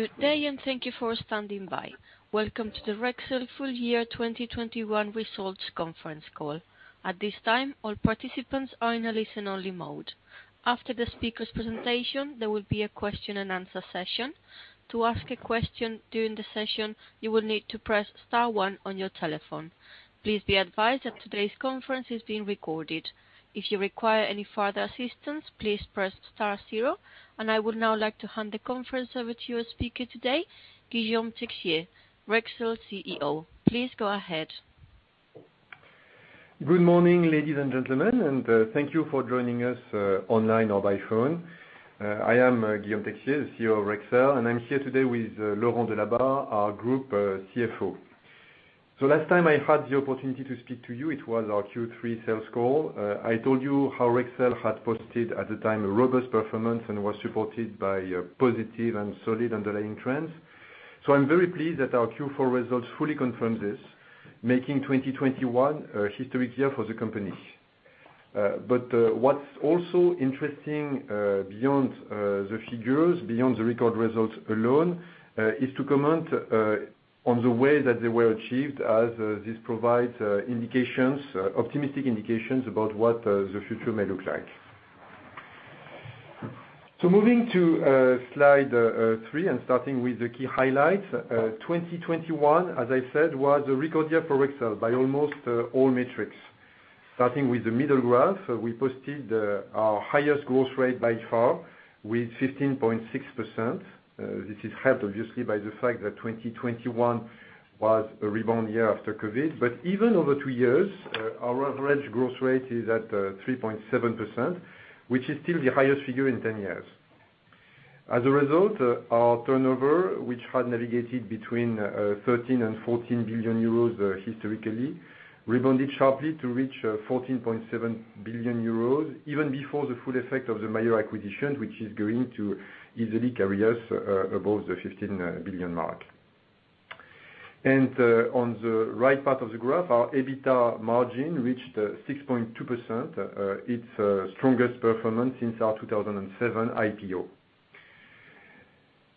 Good day and thank you for standing by. Welcome to the Rexel full year 2021 results conference call. At this time, all participants are in a listen only mode. After the speaker's presentation, there will be a question and answer session. To ask a question during the session, you will need to press star one on your telephone. Please be advised that today's conference is being recorded. If you require any further assistance, please press star zero, and I would now like to hand the conference over to your speaker today, Guillaume Texier, Rexel CEO. Please go ahead. Good morning, ladies and gentlemen, and, thank you for joining us, online or by phone. I am Guillaume Texier, the CEO of Rexel, and I'm here today with, Laurent Delabarre, our Group CFO. Last time I had the opportunity to speak to you, it was our Q3 sales call. I told you how Rexel had posted at the time a robust performance and was supported by positive and solid underlying trends. I'm very pleased that our Q4 results fully confirm this, making 2021 a historic year for the company. What's also interesting, beyond the figures, beyond the record results alone, is to comment on the way that they were achieved as this provides indications, optimistic indications about what the future may look like. Moving to slide three and starting with the key highlights. 2021, as I said, was a record year for Rexel by almost all metrics. Starting with the middle graph, we posted our highest growth rate by far with 15.6%. This is helped obviously by the fact that 2021 was a rebound year after COVID. Even over two years, our average growth rate is at 3.7%, which is still the highest figure in 10 years. As a result, our turnover, which had navigated between 13 billion and 14 billion euros historically, rebounded sharply to reach 14.7 billion euros, even before the full effect of the Mayer acquisition, which is going to easily carry us above the 15 billion mark. On the right part of the graph, our EBITDA margin reached 6.2%, its strongest performance since our 2007 IPO.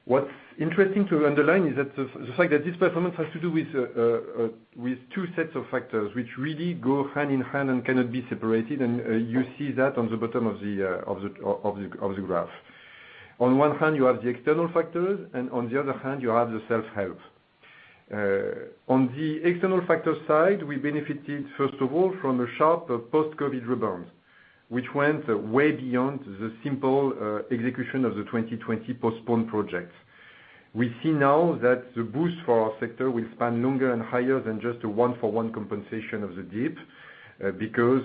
What's interesting to underline is that the fact that this performance has to do with two sets of factors, which really go hand in hand and cannot be separated, and you see that on the bottom of the graph. On one hand, you have the external factors, and on the other hand, you have the self-help. On the external factor side, we benefited, first of all, from a sharp post-COVID rebound, which went way beyond the simple execution of the 2020 postponed projects. We see now that the boost for our sector will span longer and higher than just a one for one compensation of the dip, because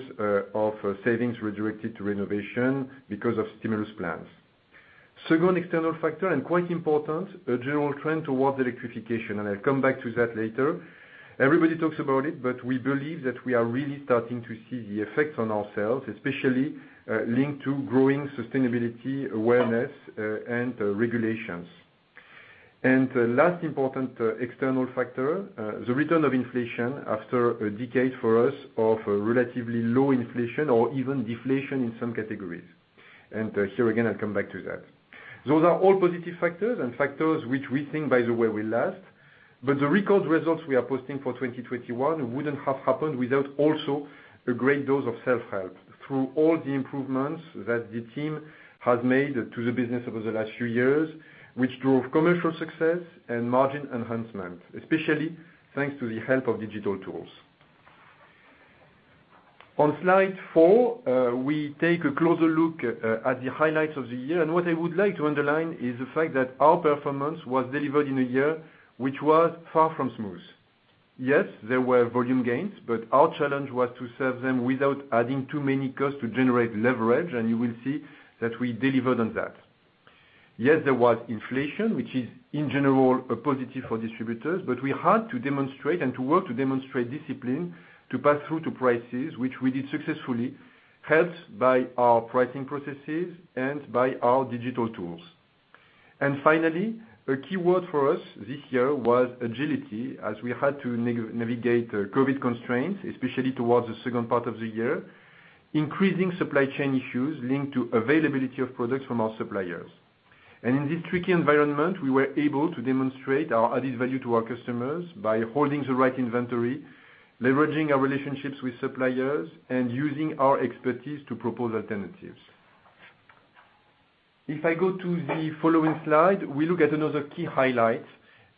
of savings redirected to renovation because of stimulus plans. Second external factor and quite important, a general trend towards electrification, and I'll come back to that later. Everybody talks about it, but we believe that we are really starting to see the effects on ourselves, especially linked to growing sustainability awareness and regulations. Last important external factor, the return of inflation after a decade for us of relatively low inflation or even deflation in some categories. Here again, I'll come back to that. Those are all positive factors and factors which we think, by the way, will last. The record results we are posting for 2021 wouldn't have happened without also a great dose of self-help through all the improvements that the team has made to the business over the last few years, which drove commercial success and margin enhancement, especially thanks to the help of digital tools. On slide four, we take a closer look at the highlights of the year. What I would like to underline is the fact that our performance was delivered in a year which was far from smooth. Yes, there were volume gains, but our challenge was to serve them without adding too many costs to generate leverage, and you will see that we delivered on that. Yes, there was inflation, which is in general a positive for distributors, but we had to demonstrate and to work to demonstrate discipline to pass through to prices, which we did successfully, helped by our pricing processes and by our digital tools. Finally, a key word for us this year was agility, as we had to navigate COVID constraints, especially towards the second part of the year, increasing supply chain issues linked to availability of products from our suppliers. In this tricky environment, we were able to demonstrate our added value to our customers by holding the right inventory, leveraging our relationships with suppliers, and using our expertise to propose alternatives. If I go to the following slide, we look at another key highlight,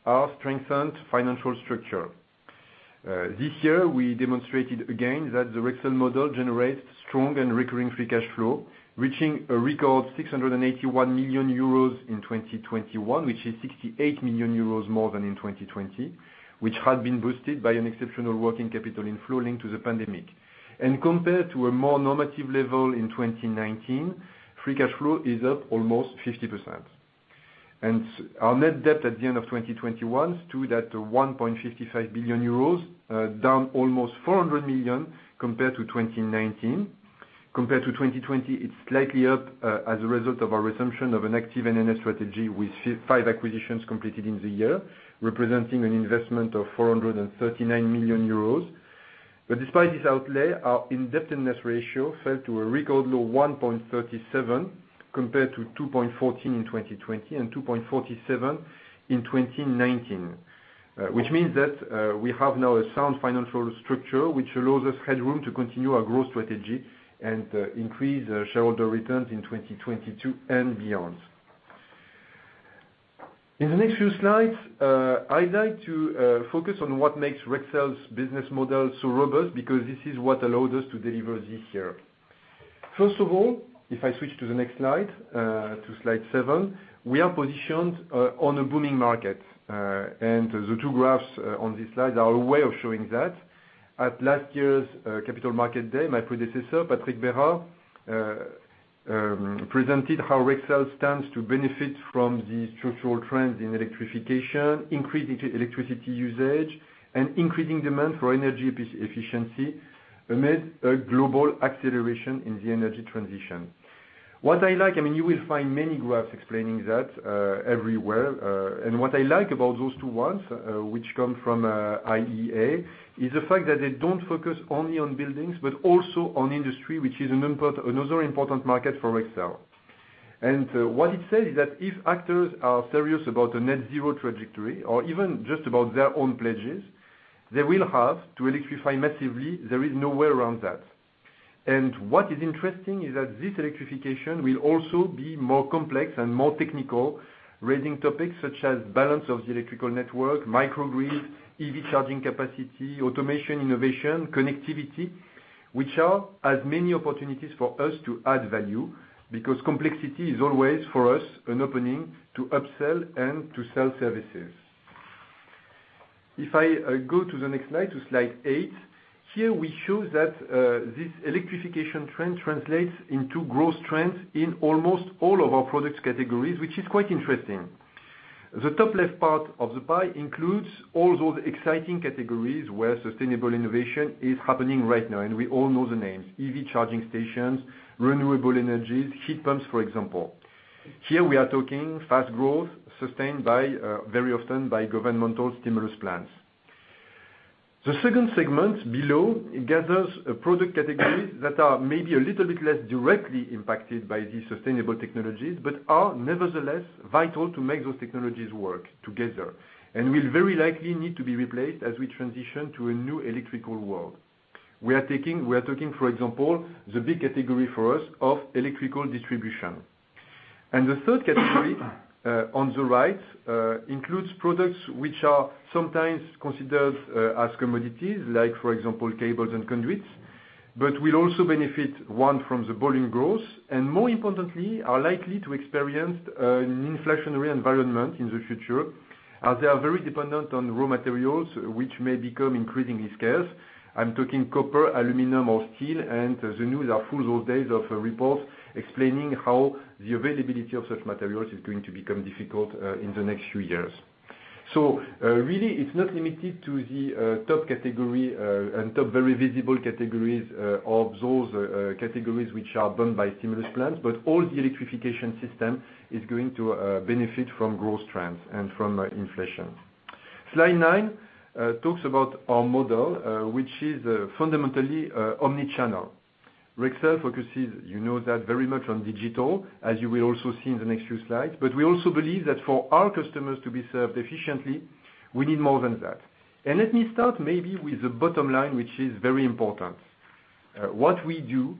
our strengthened financial structure. This year, we demonstrated again that the Rexel model generates strong and recurring free cash flow, reaching a record 681 million euros in 2021, which is 68 million euros more than in 2020, which had been boosted by an exceptional working capital inflow linked to the pandemic. Compared to a more normative level in 2019, free cash flow is up almost 50%. Our net debt at the end of 2021 stood at 1.55 billion euros, down almost 400 million compared to 2019. Compared to 2020, it's slightly up, as a result of our resumption of an active M&A strategy with five acquisitions completed in the year, representing an investment of 439 million euros. Despite this outlay, our indebtedness ratio fell to a record low 1.37, compared to 2.14 in 2020 and 2.47 in 2019. Which means that we have now a sound financial structure which allows us headroom to continue our growth strategy and increase shareholder returns in 2022 and beyond. In the next few slides, I'd like to focus on what makes Rexel's business model so robust because this is what allowed us to deliver this year. First of all, if I switch to the next slide, to slide seven, we are positioned on a booming market. The two graphs on this slide are a way of showing that. At last year's Capital Markets Day, my predecessor, Patrick Berard, presented how Rexel stands to benefit from the structural trends in electrification, increased electricity usage, and increasing demand for energy efficiency amid a global acceleration in the energy transition. What I like, I mean, you will find many graphs explaining that, everywhere. What I like about those two ones, which come from IEA, is the fact that they don't focus only on buildings, but also on industry, which is another important market for Rexel. What it says is that if actors are serious about a net zero trajectory or even just about their own pledges, they will have to electrify massively. There is no way around that. What is interesting is that this electrification will also be more complex and more technical, raising topics such as balance of the electrical network, microgrid, EV charging capacity, automation, innovation, connectivity, which are as many opportunities for us to add value because complexity is always, for us, an opening to upsell and to sell services. If I go to the next slide, to slide eight, here we show that this electrification trend translates into growth trends in almost all of our products categories, which is quite interesting. The top left part of the pie includes all those exciting categories where sustainable innovation is happening right now, and we all know the names, EV charging stations, renewable energies, heat pumps, for example. Here we are talking fast growth sustained by, very often by governmental stimulus plans. The second segment below gathers a product categories that are maybe a little bit less directly impacted by these sustainable technologies, but are nevertheless vital to make those technologies work together and will very likely need to be replaced as we transition to a new electrical world. We are talking, for example, the big category for us of electrical distribution. The third category on the right includes products which are sometimes considered as commodities like, for example, cables and conduits, but will also benefit from the volume growth, and more importantly, are likely to experience an inflationary environment in the future, as they are very dependent on raw materials which may become increasingly scarce. I'm talking copper, aluminum or steel, and the news is full these days of reports explaining how the availability of such materials is going to become difficult in the next few years. Really, it's not limited to the top category and top very visible categories of those categories which are buoyed by stimulus plans, but all the electrification system is going to benefit from growth trends and from inflation. Slide nine talks about our model, which is fundamentally omni-channel. Rexel focuses, you know that very much on digital, as you will also see in the next few slides. But we also believe that for our customers to be served efficiently, we need more than that. Let me start maybe with the bottom line, which is very important. What we do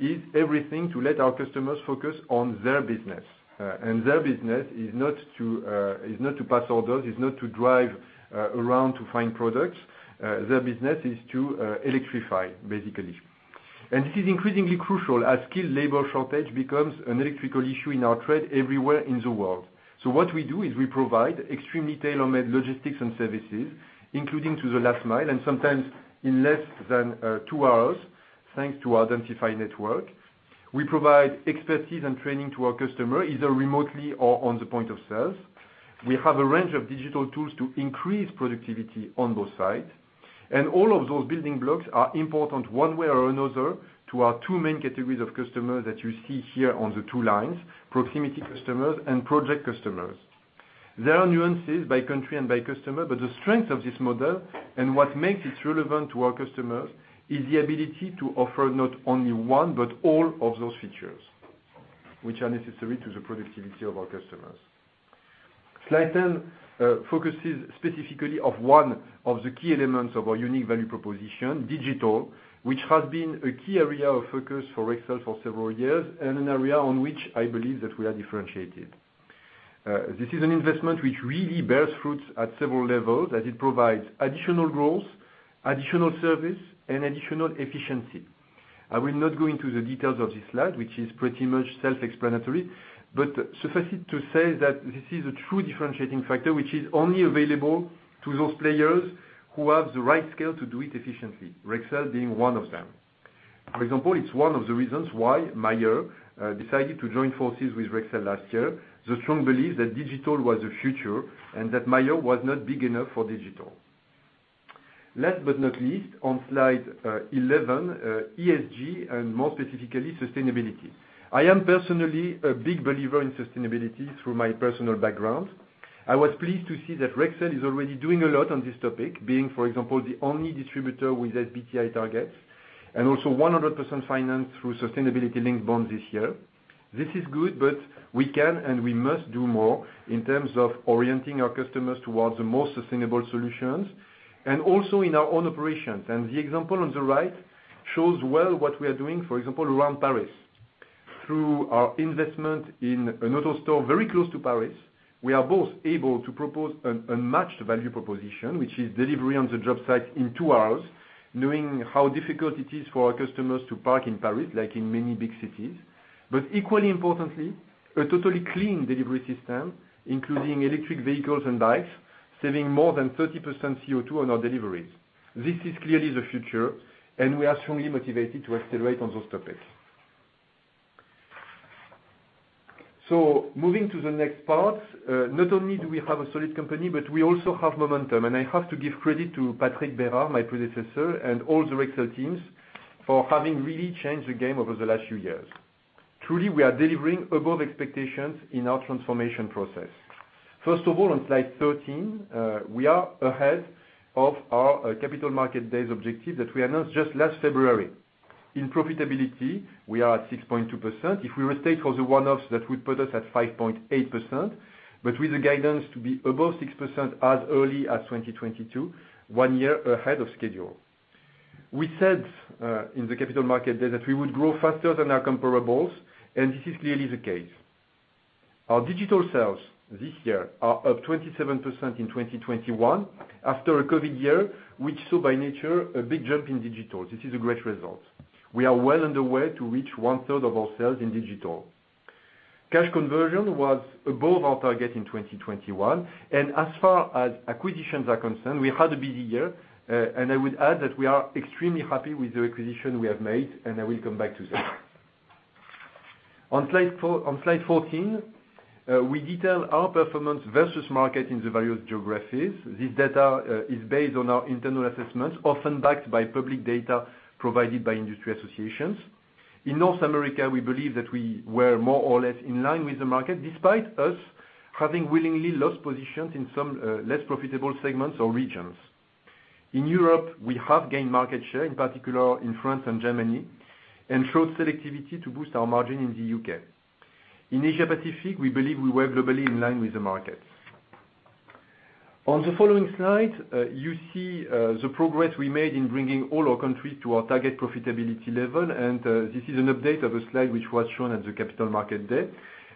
is everything to let our customers focus on their business. Their business is not to pass orders, is not to drive around to find products. Their business is to electrify, basically. This is increasingly crucial as skilled labor shortage becomes an electrical issue in our trade everywhere in the world. What we do is we provide extremely tailor-made logistics and services, including to the last mile, and sometimes in less than two hours, thanks to our identified network. We provide expertise and training to our customer, either remotely or on the point of sales. We have a range of digital tools to increase productivity on those sites. All of those building blocks are important one way or another to our two main categories of customers that you see here on the two lines, proximity customers and project customers. There are nuances by country and by customer, but the strength of this model, and what makes it relevant to our customers, is the ability to offer not only one, but all of those features which are necessary to the productivity of our customers. Slide 10 focuses specifically on one of the key elements of our unique value proposition, digital, which has been a key area of focus for Rexel for several years and an area on which I believe that we are differentiated. This is an investment which really bears fruits at several levels, as it provides additional growth, additional service, and additional efficiency. I will not go into the details of this slide, which is pretty much self-explanatory, but suffice it to say that this is a true differentiating factor which is only available to those players who have the right scale to do it efficiently, Rexel being one of them. For example, it's one of the reasons why Mayer decided to join forces with Rexel last year, the strong belief that digital was the future and that Mayer was not big enough for digital. Last but not least, on slide 11, ESG and more specifically sustainability. I am personally a big believer in sustainability through my personal background. I was pleased to see that Rexel is already doing a lot on this topic, being, for example, the only distributor with SBTi targets and also 100% finance through sustainability-linked bonds this year. This is good, but we can and we must do more in terms of orienting our customers towards the most sustainable solutions and also in our own operations. The example on the right shows well what we are doing, for example, around Paris. Through our investment in another store very close to Paris, we are both able to propose a matched value proposition, which is delivery on the job site in two hours, knowing how difficult it is for our customers to park in Paris, like in many big cities. Equally importantly, a totally clean delivery system, including electric vehicles and bikes, saving more than 30% CO2 on our deliveries. This is clearly the future, and we are strongly motivated to accelerate on those topics. Moving to the next part, not only do we have a solid company, but we also have momentum. I have to give credit to Patrick Berard, my predecessor, and all the Rexel teams for having really changed the game over the last few years. Truly, we are delivering above expectations in our transformation process. First of all, on slide 13, we are ahead of our Capital Markets Day objective that we announced just last February. In profitability, we are at 6.2%. If we restate for the one-offs, that would put us at 5.8%, but with the guidance to be above 6% as early as 2022, one year ahead of schedule. We said in the Capital Markets Day that we would grow faster than our comparables, and this is clearly the case. Our digital sales this year are up 27% in 2021 after a COVID year, which saw by nature a big jump in digital. This is a great result. We are well underway to reach one-third of our sales in digital. Cash conversion was above our target in 2021. As far as acquisitions are concerned, we had a busy year, and I would add that we are extremely happy with the acquisition we have made, and I will come back to that. On slide fourteen, we detail our performance versus market in the various geographies. This data is based on our internal assessments, often backed by public data provided by industry associations. In North America, we believe that we were more or less in line with the market, despite us having willingly lost positions in some less profitable segments or regions. In Europe, we have gained market share, in particular in France and Germany, and showed selectivity to boost our margin in the U.K. In Asia Pacific, we believe we were globally in line with the market. On the following slide, you see the progress we made in bringing all our countries to our target profitability level. This is an update of a slide which was shown at the Capital Markets Day.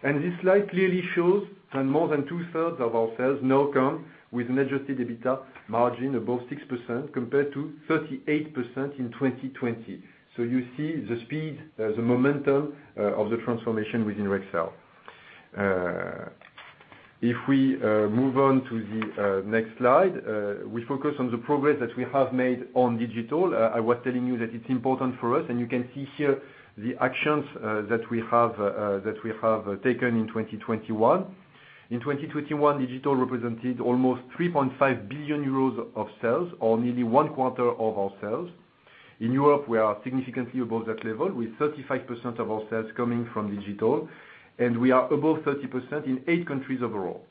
This slide clearly shows that more than two-thirds of our sales now come with an adjusted EBITDA margin above 6% compared to 38% in 2020. You see the speed, the momentum, of the transformation within Rexel. If we move on to the next slide, we focus on the progress that we have made on digital. I was telling you that it's important for us, and you can see here the actions that we have taken in 2021. In 2021, digital represented almost 3.5 billion euros of sales or nearly one quarter of our sales. In Europe, we are significantly above that level, with 35% of our sales coming from digital, and we are above 30% in eight countries overall.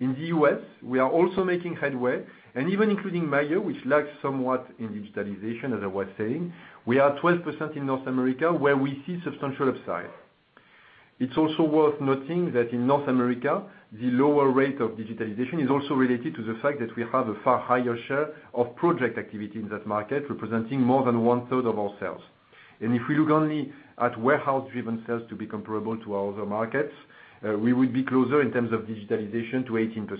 In the U.S., we are also making headway, and even including Mayer, which lags somewhat in digitalization, as I was saying, we are at 12% in North America, where we see substantial upside. It's also worth noting that in North America, the lower rate of digitalization is also related to the fact that we have a far higher share of project activity in that market, representing more than one-third of our sales. If we look only at warehouse-driven sales to be comparable to our other markets, we would be closer in terms of digitalization to 18%.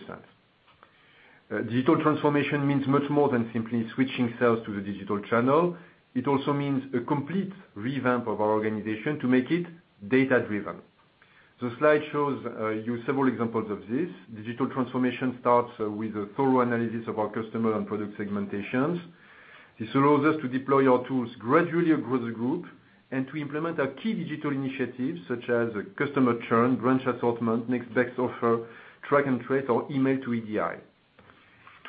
Digital transformation means much more than simply switching sales to the digital channel. It also means a complete revamp of our organization to make it data-driven. The slide shows you several examples of this. Digital transformation starts with a thorough analysis of our customer and product segmentations. This allows us to deploy our tools gradually across the group and to implement our key digital initiatives, such as customer churn, branch assortment, next best offer, track and trace, or email to EDI.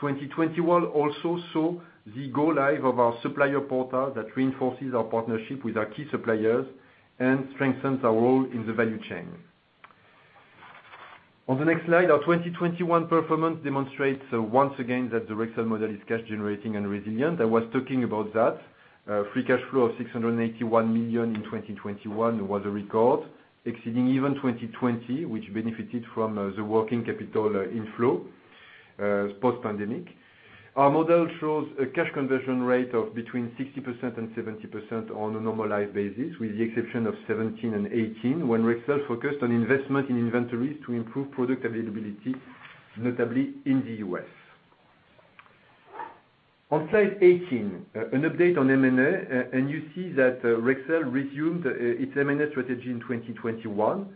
2021 also saw the go live of our supplier portal that reinforces our partnership with our key suppliers and strengthens our role in the value chain. On the next slide, our 2021 performance demonstrates once again that the Rexel model is cash generating and resilient. I was talking about that. Free cash flow of 681 million in 2021 was a record, exceeding even 2020, which benefited from the working capital inflow post-pandemic. Our model shows a cash conversion rate of between 60% and 70% on a normalized basis, with the exception of 2017 and 2018, when Rexel focused on investment in inventories to improve product availability, notably in the U.S. On slide 18, an update on M&A, and you see that Rexel resumed its M&A strategy in 2021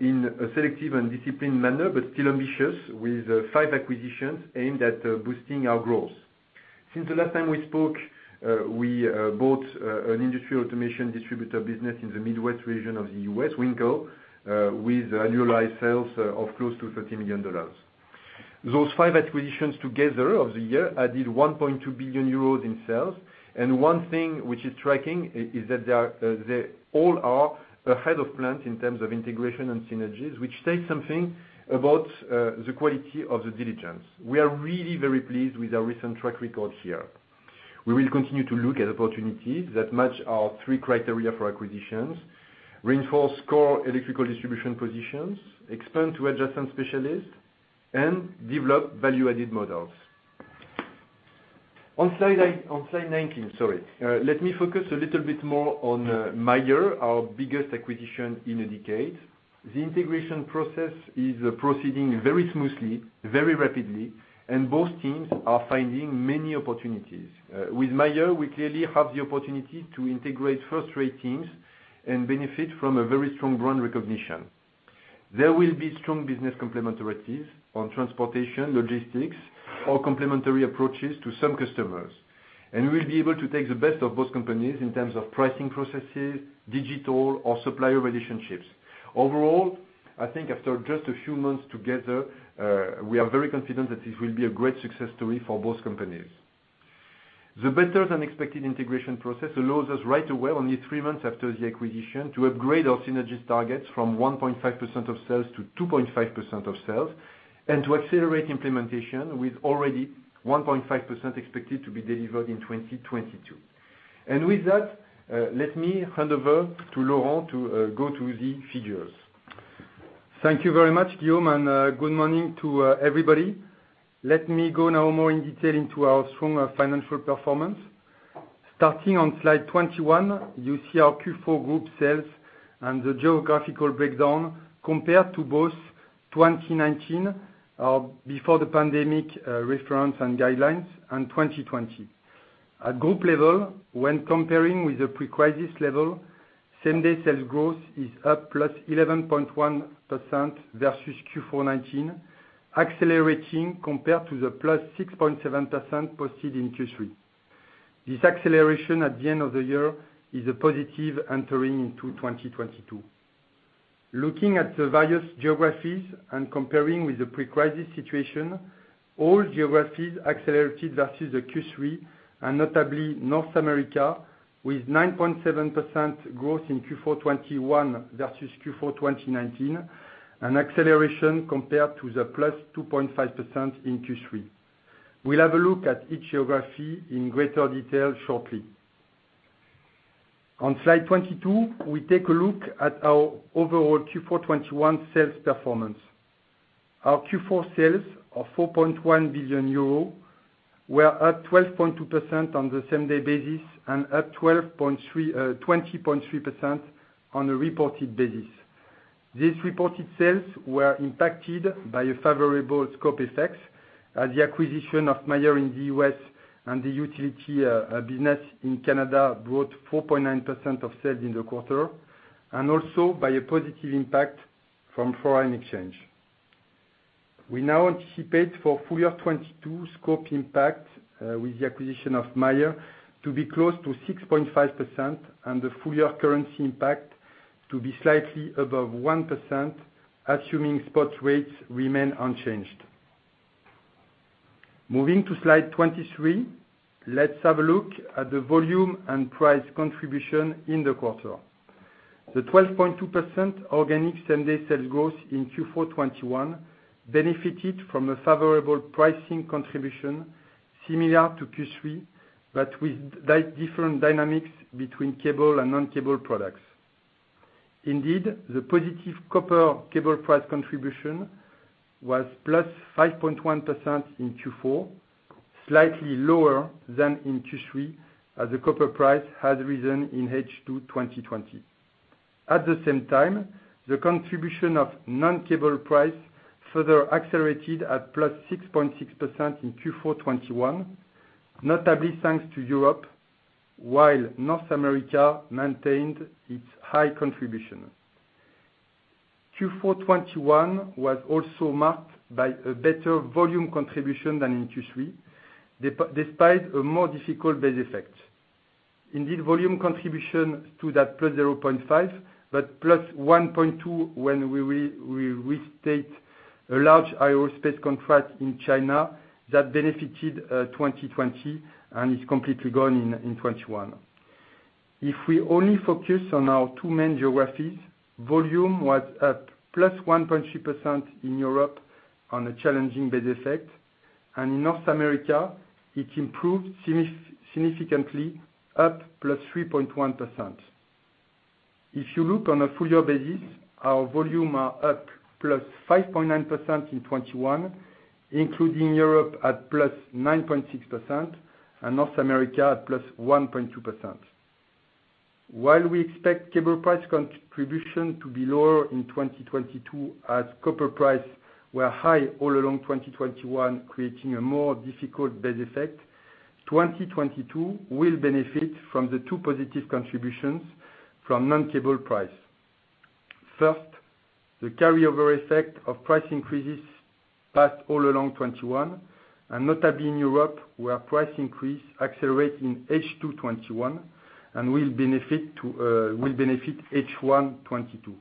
in a selective and disciplined manner, but still ambitious, with five acquisitions aimed at boosting our growth. Since the last time we spoke, we bought an industrial automation distributor business in the Midwest region of the U.S., Winkle, with annualized sales of close to $30 million. Those five acquisitions together of the year added 1.2 billion euros in sales. One thing which is striking is that they are, they all are ahead of plan in terms of integration and synergies, which says something about the quality of the diligence. We are really very pleased with our recent track record here. We will continue to look at opportunities that match our three criteria for acquisitions, reinforce core electrical distribution positions, expand to adjacent specialists, and develop value-added models. On slide 19, sorry. Let me focus a little bit more on Mayer, our biggest acquisition in a decade. The integration process is proceeding very smoothly, very rapidly, and both teams are finding many opportunities. With Mayer, we clearly have the opportunity to integrate first-rate teams and benefit from a very strong brand recognition. There will be strong business complementarities on transportation, logistics, or complementary approaches to some customers. We'll be able to take the best of both companies in terms of pricing processes, digital, or supplier relationships. Overall, I think after just a few months together, we are very confident that this will be a great success story for both companies. The better-than-expected integration process allows us right away, only three months after the acquisition, to upgrade our synergies targets from 1.5% of sales to 2.5% of sales, and to accelerate implementation with already 1.5% expected to be delivered in 2022. With that, let me hand over to Laurent to go through the figures. Thank you very much, Guillaume, and good morning to everybody. Let me go now more in detail into our strong financial performance. Starting on slide 21, you see our Q4 group sales and the geographical breakdown compared to both 2019, before the pandemic, reference and guidelines, and 2020. At group level, when comparing with the pre-crisis level, same-day sales growth is up +11.1% versus Q4 2019, accelerating compared to the +6.7% posted in Q3. This acceleration at the end of the year is a positive entering into 2022. Looking at the various geographies and comparing with the pre-crisis situation, all geographies accelerated versus the Q3, and notably North America, with 9.7% growth in Q4 2021 versus Q4 2019, an acceleration compared to the +2.5% in Q3. We'll have a look at each geography in greater detail shortly. On slide 22, we take a look at our overall Q4 2021 sales performance. Our Q4 sales of 4.1 billion euro were up 12.2% on the same day basis and up 20.3% on a reported basis. These reported sales were impacted by a favorable scope effect as the acquisition of Mayer in the U.S. and the utility business in Canada brought 4.9% of sales in the quarter, and also by a positive impact from foreign exchange. We now anticipate for full year 2022 scope impact with the acquisition of Mayer to be close to 6.5%, and the full year currency impact to be slightly above 1%, assuming spot rates remain unchanged. Moving to slide 23, let's have a look at the volume and price contribution in the quarter. The 12.2% organic same-day sales growth in Q4 2021 benefited from a favorable pricing contribution similar to Q3, but with different dynamics between cable and non-cable products. Indeed, the positive copper cable price contribution was +5.1% in Q4, slightly lower than in Q3, as the copper price has risen in H2 2020. At the same time, the contribution of non-cable price further accelerated at +6.6% in Q4 2021, notably thanks to Europe, while North America maintained its high contribution. Q4 2021 was also marked by a better volume contribution than in Q3, despite a more difficult base effect. Indeed, volume contribution stood at +0.5, but +1.2 when we restate a large aerospace contract in China that benefited 2020 and is completely gone in 2021. If we only focus on our two main geographies, volume was up +1.3% in Europe on a challenging base effect, and in North America, it improved significantly, up +3.1%. If you look on a full year basis, our volume are up +5.9% in 2021, including Europe at +9.6% and North America at +1.2%. While we expect cable price contribution to be lower in 2022, as copper price were high all along 2021, creating a more difficult base effect, 2022 will benefit from the two positive contributions from non-cable price. First, the carryover effect of price increases passed all along 2021, and notably in Europe, where price increase accelerate in H2 2021 and will benefit H1 2022.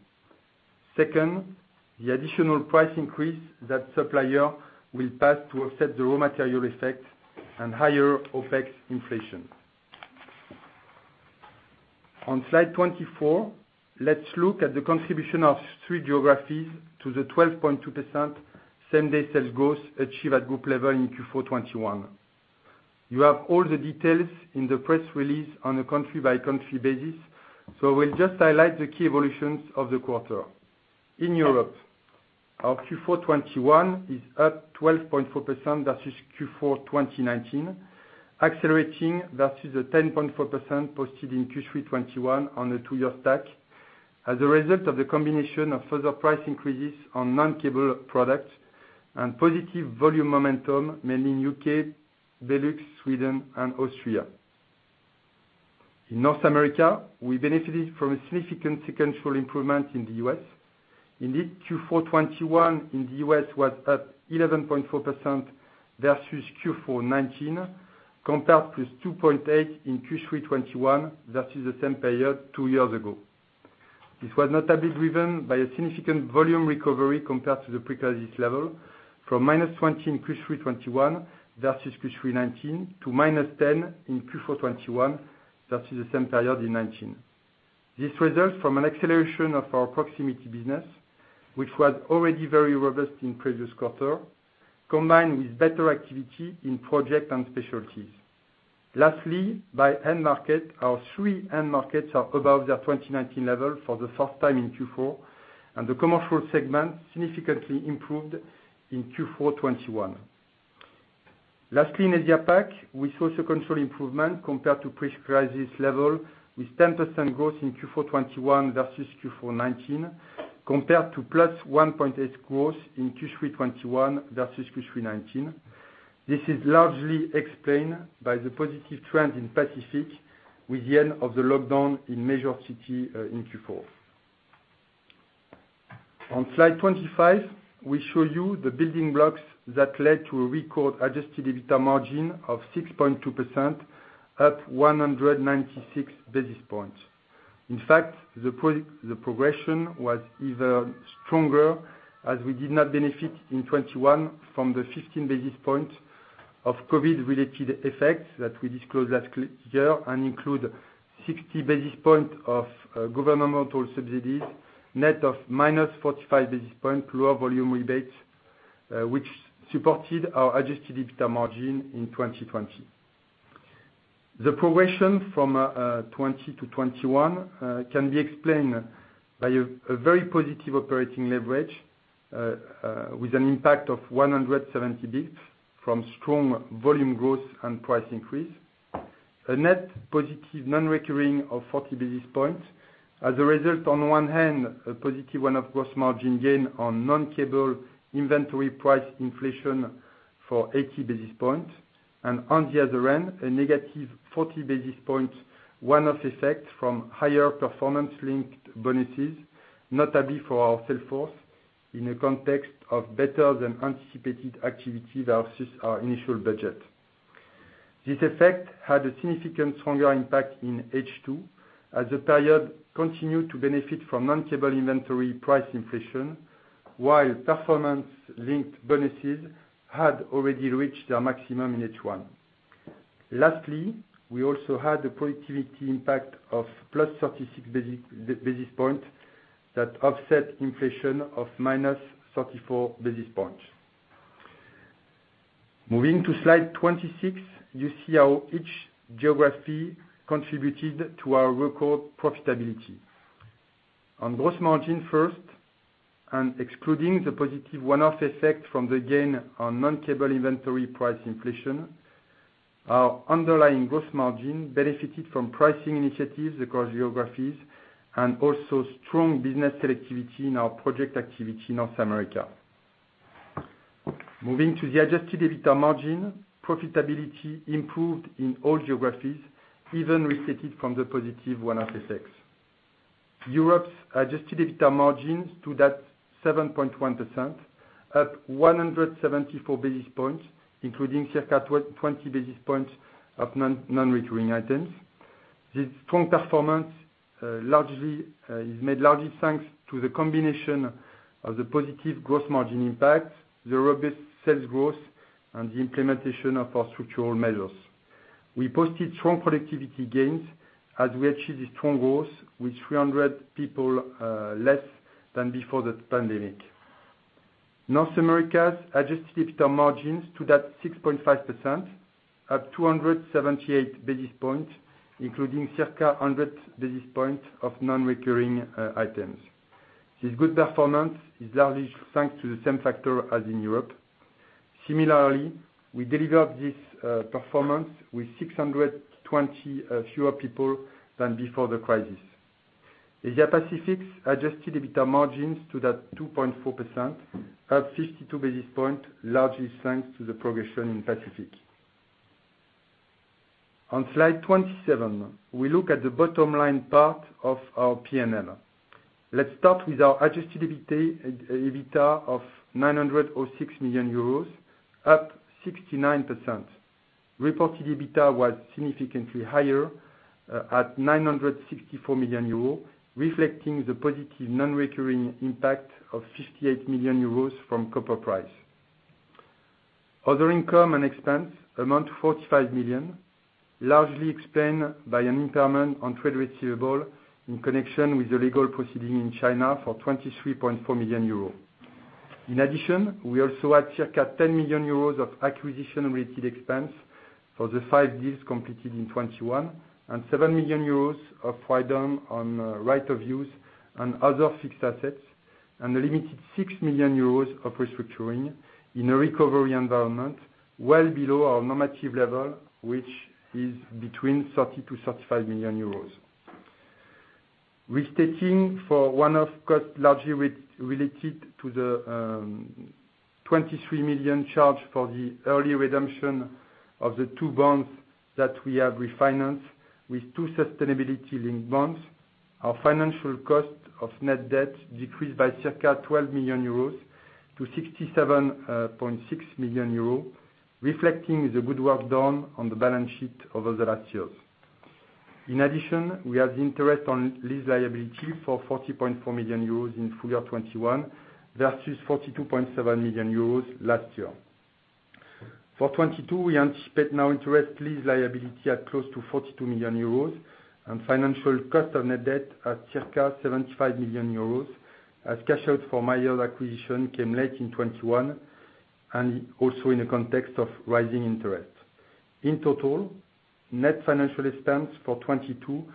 Second, the additional price increase that supplier will pass to offset the raw material effect and higher OpEx inflation. On slide 24, let's look at the contribution of three geographies to the 12.2% same-store sales growth achieved at group level in Q4 2021. You have all the details in the press release on a country-by-country basis. We'll just highlight the key evolutions of the quarter. In Europe, our Q4 2021 is up 12.4% versus Q4 2019, accelerating versus the 10.4% posted in Q3 2021 on a two-year stack, as a result of the combination of further price increases on non-cable products and positive volume momentum, mainly in U.K., Benelux, Sweden and Austria. In North America, we benefited from a significant sequential improvement in the U.S. Indeed, Q4 2021 in the U.S. was up 11.4% versus Q4 2019, compared with 2.8% in Q3 2021 versus the same period two years ago. This was notably driven by a significant volume recovery compared to the pre-crisis level, from -20% in Q3 2021 versus Q3 2019, to -10% in Q4 2021 versus the same period in 2019. This results from an acceleration of our proximity business, which was already very robust in previous quarter, combined with better activity in project and specialties. Lastly, by end market, our three end markets are above their 2019 level for the first time in Q4, and the commercial segment significantly improved in Q4 2021. Lastly, in Asia-Pac, we saw sequential improvement compared to pre-crisis level, with 10% growth in Q4 2021 versus Q4 2019 compared to +1.8% growth in Q3 2021 versus Q3 2019. This is largely explained by the positive trend in Pacific with the end of the lockdown in major city in Q4. On slide 25, we show you the building blocks that led to a record adjusted EBITDA margin of 6.2%, up 196 basis points. In fact, the progression was even stronger as we did not benefit in 2021 from the 15 basis points of COVID-related effects that we disclosed last year, and include 60 basis points of governmental subsidies, net of -45 basis points lower volume rebates, which supported our adjusted EBITDA margin in 2020. The progression from 2020 to 2021 can be explained by a very positive operating leverage with an impact of 170 basis points from strong volume growth and price increase. A net positive non-recurring of 40 basis points. As a result, on one hand, a positive one-off gross margin gain on non-cable inventory price inflation for 80 basis points, and on the other hand, a -40 basis point one-off effect from higher performance-linked bonuses, notably for our sales force, in a context of better than anticipated activity versus our initial budget. This effect had a significantly stronger impact in H2, as the period continued to benefit from non-cable inventory price inflation, while performance-linked bonuses had already reached their maximum in H1. Lastly, we also had a productivity impact of +36 basis points that offset inflation of -34 basis points. Moving to slide 26, you see how each geography contributed to our record profitability. On gross margin first, excluding the positive one-off effect from the gain on non-cable inventory price inflation, our underlying gross margin benefited from pricing initiatives across geographies and also strong business selectivity in our project activity in North America. Moving to the adjusted EBITDA margin, profitability improved in all geographies, even restated from the positive one-off effects. Europe's adjusted EBITDA margins to that 7.1%, up 174 basis points, including circa 20 basis points of non-recurring items. This strong performance largely is made largely thanks to the combination of the positive gross margin impact, the robust sales growth, and the implementation of our structural measures. We posted strong productivity gains as we achieved a strong growth with 300 people less than before the pandemic. North America's adjusted EBITDA margins to that 6.5%, up 278 basis points, including circa 100 basis points of non-recurring items. This good performance is largely thanks to the same factor as in Europe. Similarly, we delivered this performance with 620 fewer people than before the crisis. Asia Pacific's adjusted EBITDA margins to that 2.4%, up 52 basis point, largely thanks to the progression in Pacific. On slide 27, we look at the bottom line part of our P&L. Let's start with our adjusted EBITDA of 906 million euros, up 69%. Reported EBITDA was significantly higher at 964 million euros, reflecting the positive non-recurring impact of 58 million euros from copper price. Other income and expense amount to 45 million, largely explained by an impairment on trade receivable in connection with the legal proceeding in China for 23.4 million euros. In addition, we also had circa 10 million euros of acquisition-related expense for the five deals completed in 2021 and 7 million euros of write-down on right-of-use and other fixed assets, and a limited 6 million euros of restructuring in a recovery environment well below our normative level, which is between 30 million and 35 million euros. Restating for one-off cost largely related to the 23 million charge for the early redemption of the two bonds that we have refinanced with two sustainability-linked bonds, our financial cost of net debt decreased by circa 12 million euros to 67.6 million euros, reflecting the good work done on the balance sheet over the last years. In addition, we have the interest on lease liability for 40.4 million euros in full year 2021, versus 42.7 million euros last year. For 2022, we anticipate interest on lease liability at close to 42 million euros and financial cost of net debt at circa 75 million euros as cash out from Mayer acquisition came late in 2021 and also in the context of rising interest. In total, net financial expense for 2022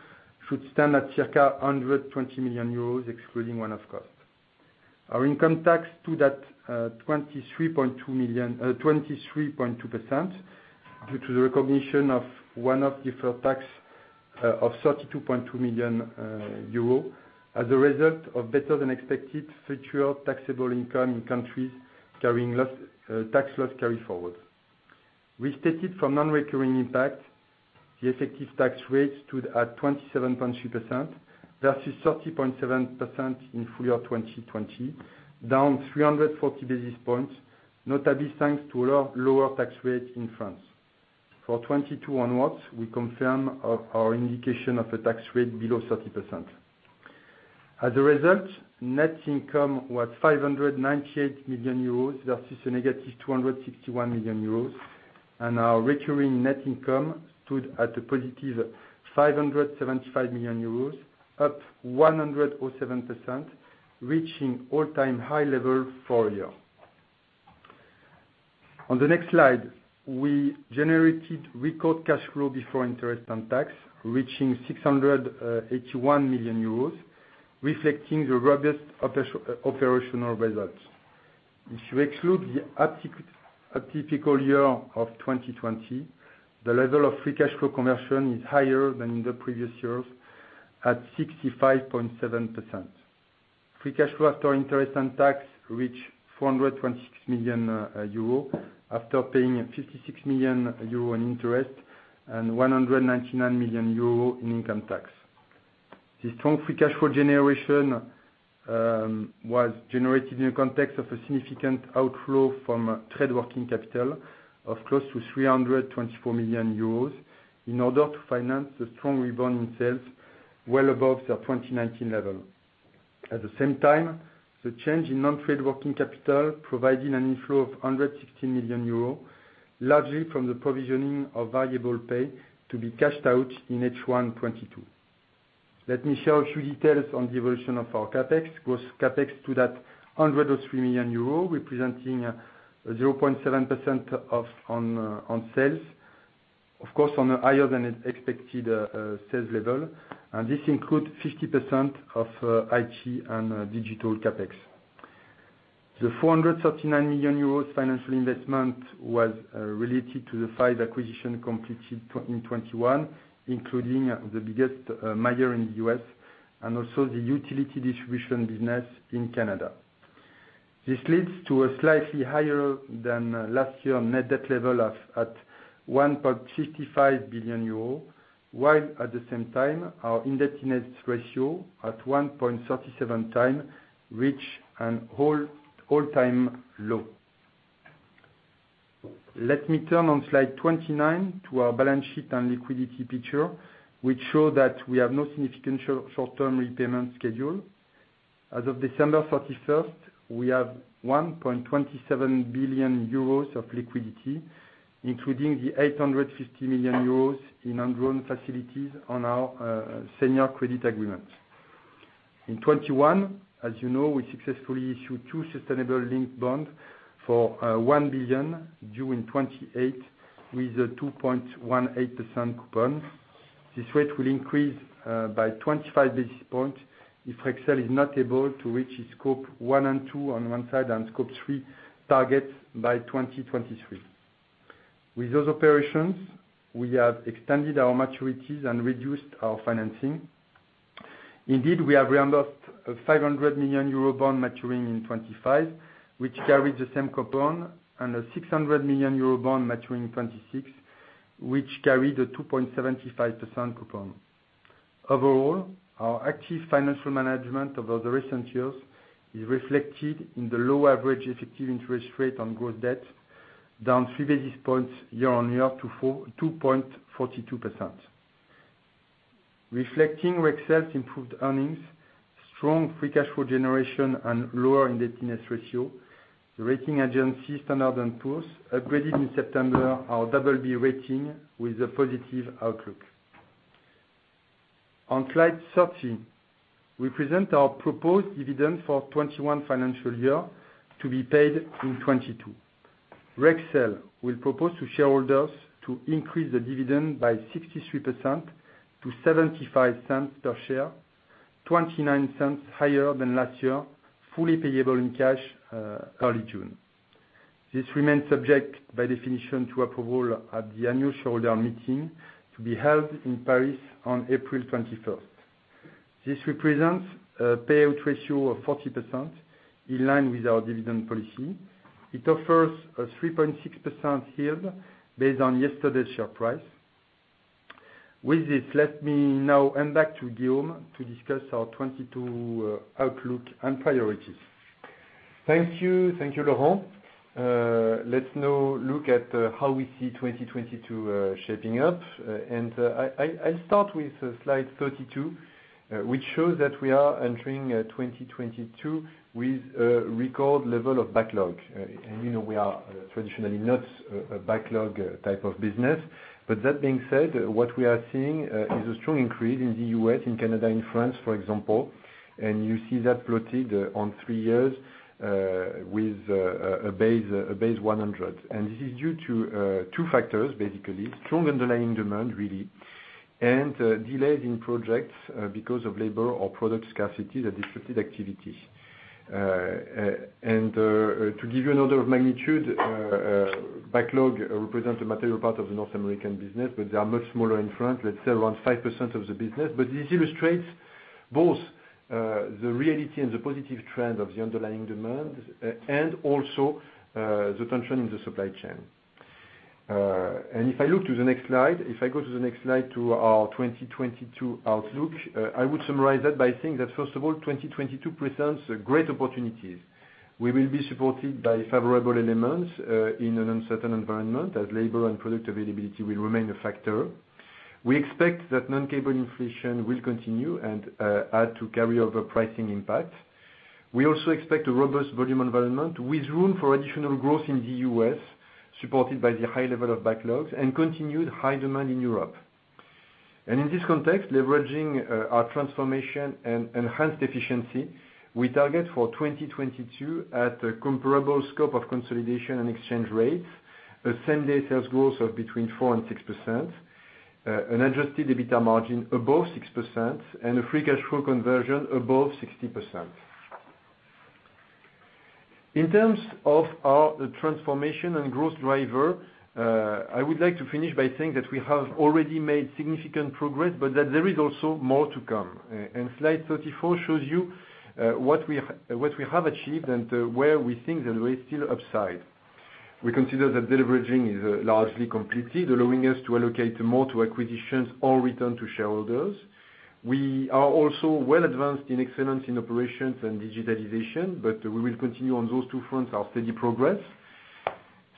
should stand at circa 120 million euros, excluding one-off cost. Our income tax stood at 23.2 million, 23.2% due to the recognition of one-off deferred tax of 32.2 million euro as a result of better than expected future taxable income in countries carrying losses, tax loss carry-forward. Restated for non-recurring impact, the effective tax rate stood at 27.3% versus 30.7% in full year 2020, down 340 basis points, notably thanks to lower tax rate in France. For 2022 onwards, we confirm our indication of a tax rate below 30%. As a result, net income was 598 million euros versus -261 million euros, and our recurring net income stood at 575 million euros, up 107%, reaching all-time high level for a year. On the next slide, we generated record cash flow before interest and tax, reaching 681 million euros, reflecting the robust operational results. If you exclude the atypical year of 2020, the level of free cash flow conversion is higher than in the previous years at 65.7%. Free cash flow after interest and tax reached 426 million euro after paying 56 million euro in interest and 199 million euro in income tax. The strong free cash flow generation was generated in the context of a significant outflow from trade working capital of close to 324 million euros in order to finance the strong rebound in sales well above the 2019 level. At the same time, the change in non-trade working capital provided an inflow of 116 million euros, largely from the provisioning of variable pay to be cashed out in H1 2022. Let me share a few details on the evolution of our CapEx. Gross CapEx stood at 103 million euro, representing 0.7% of sales. Of course, on a higher than expected sales level, and this includes 50% of IT and digital CapEx. The 439 million euros financial investment was related to the five acquisitions completed in 2021, including the biggest, Mayer in the US and also the utility distribution business in Canada. This leads to a slightly higher than last year net debt level of at 1.55 billion euro, while at the same time, our indebtedness ratio at 1.37x reached an all-time low. Let me turn on slide 29 to our balance sheet and liquidity picture, which show that we have no significant short-term repayment schedule. As of December 31st, we have 1.27 billion euros of liquidity, including the 850 million euros in undrawn facilities on our Senior Credit Agreement. In 2021, as you know, we successfully issued two sustainability-linked bonds for 1 billion due in 2028 with a 2.18% coupon. This rate will increase by 25 basis points if Rexel is not able to reach its Scope 1 and 2 on one side and Scope 3 targets by 2023. With those operations, we have extended our maturities and reduced our financing. Indeed, we have reimbursed a 500 million euro bond maturing in 2025, which carried the same coupon, and a 600 million euro bond maturing in 2026, which carried a 2.75% coupon. Overall, our active financial management over the recent years is reflected in the low average effective interest rate on gross debt, down 3 basis points year-on-year to 2.42%. Reflecting Rexel's improved earnings, strong free cash flow generation, and lower indebtedness ratio, the rating agency Standard & Poor's upgraded in September our BB rating with a positive outlook. On slide 13, we present our proposed dividend for 2021 financial year to be paid in 2022. Rexel will propose to shareholders to increase the dividend by 63% to 0.75 per share, 0.29 higher than last year, fully payable in cash early June. This remains subject, by definition, to approval at the Annual Shareholder Meeting to be held in Paris on April 21st. This represents a payout ratio of 40% in line with our dividend policy. It offers a 3.6% yield based on yesterday's share price. With this, let me now hand back to Guillaume to discuss our 2022 outlook and priorities. Thank you. Thank you, Laurent. Let's now look at how we see 2022 shaping up. I'll start with slide 32, which shows that we are entering 2022 with a record level of backlog. You know, we are traditionally not a backlog type of business. But that being said, what we are seeing is a strong increase in the U.S., in Canada, in France, for example, and you see that plotted on three years with a base of 100. This is due to two factors, basically. Strong underlying demand, really, and delays in projects because of labor or product scarcity that disrupted activities. To give you an order of magnitude, backlog represents a material part of the North American business, but they are much smaller in France, let's say around 5% of the business. This illustrates both the reality and the positive trend of the underlying demand and also the tension in the supply chain. If I look to the next slide, if I go to the next slide to our 2022 outlook, I would summarize that by saying that first of all, 2022 presents great opportunities. We will be supported by favorable elements in an uncertain environment as labor and product availability will remain a factor. We expect that non-cable inflation will continue and add to carry over pricing impact. We also expect a robust volume environment with room for additional growth in the U.S., supported by the high level of backlogs and continued high demand in Europe. In this context, leveraging our transformation and enhanced efficiency, we target for 2022 at a comparable scope of consolidation and exchange rates, a same-day sales growth of between 4% and 6%, an adjusted EBITDA margin above 6%, and a free cash flow conversion above 60%. In terms of our transformation and growth driver, I would like to finish by saying that we have already made significant progress, but that there is also more to come. Slide 34 shows you what we have achieved and where we think the way is still upside. We consider that deleveraging is largely completed, allowing us to allocate more to acquisitions or return to shareholders. We are also well advanced in excellence in operations and digitalization, but we will continue on those two fronts, our steady progress.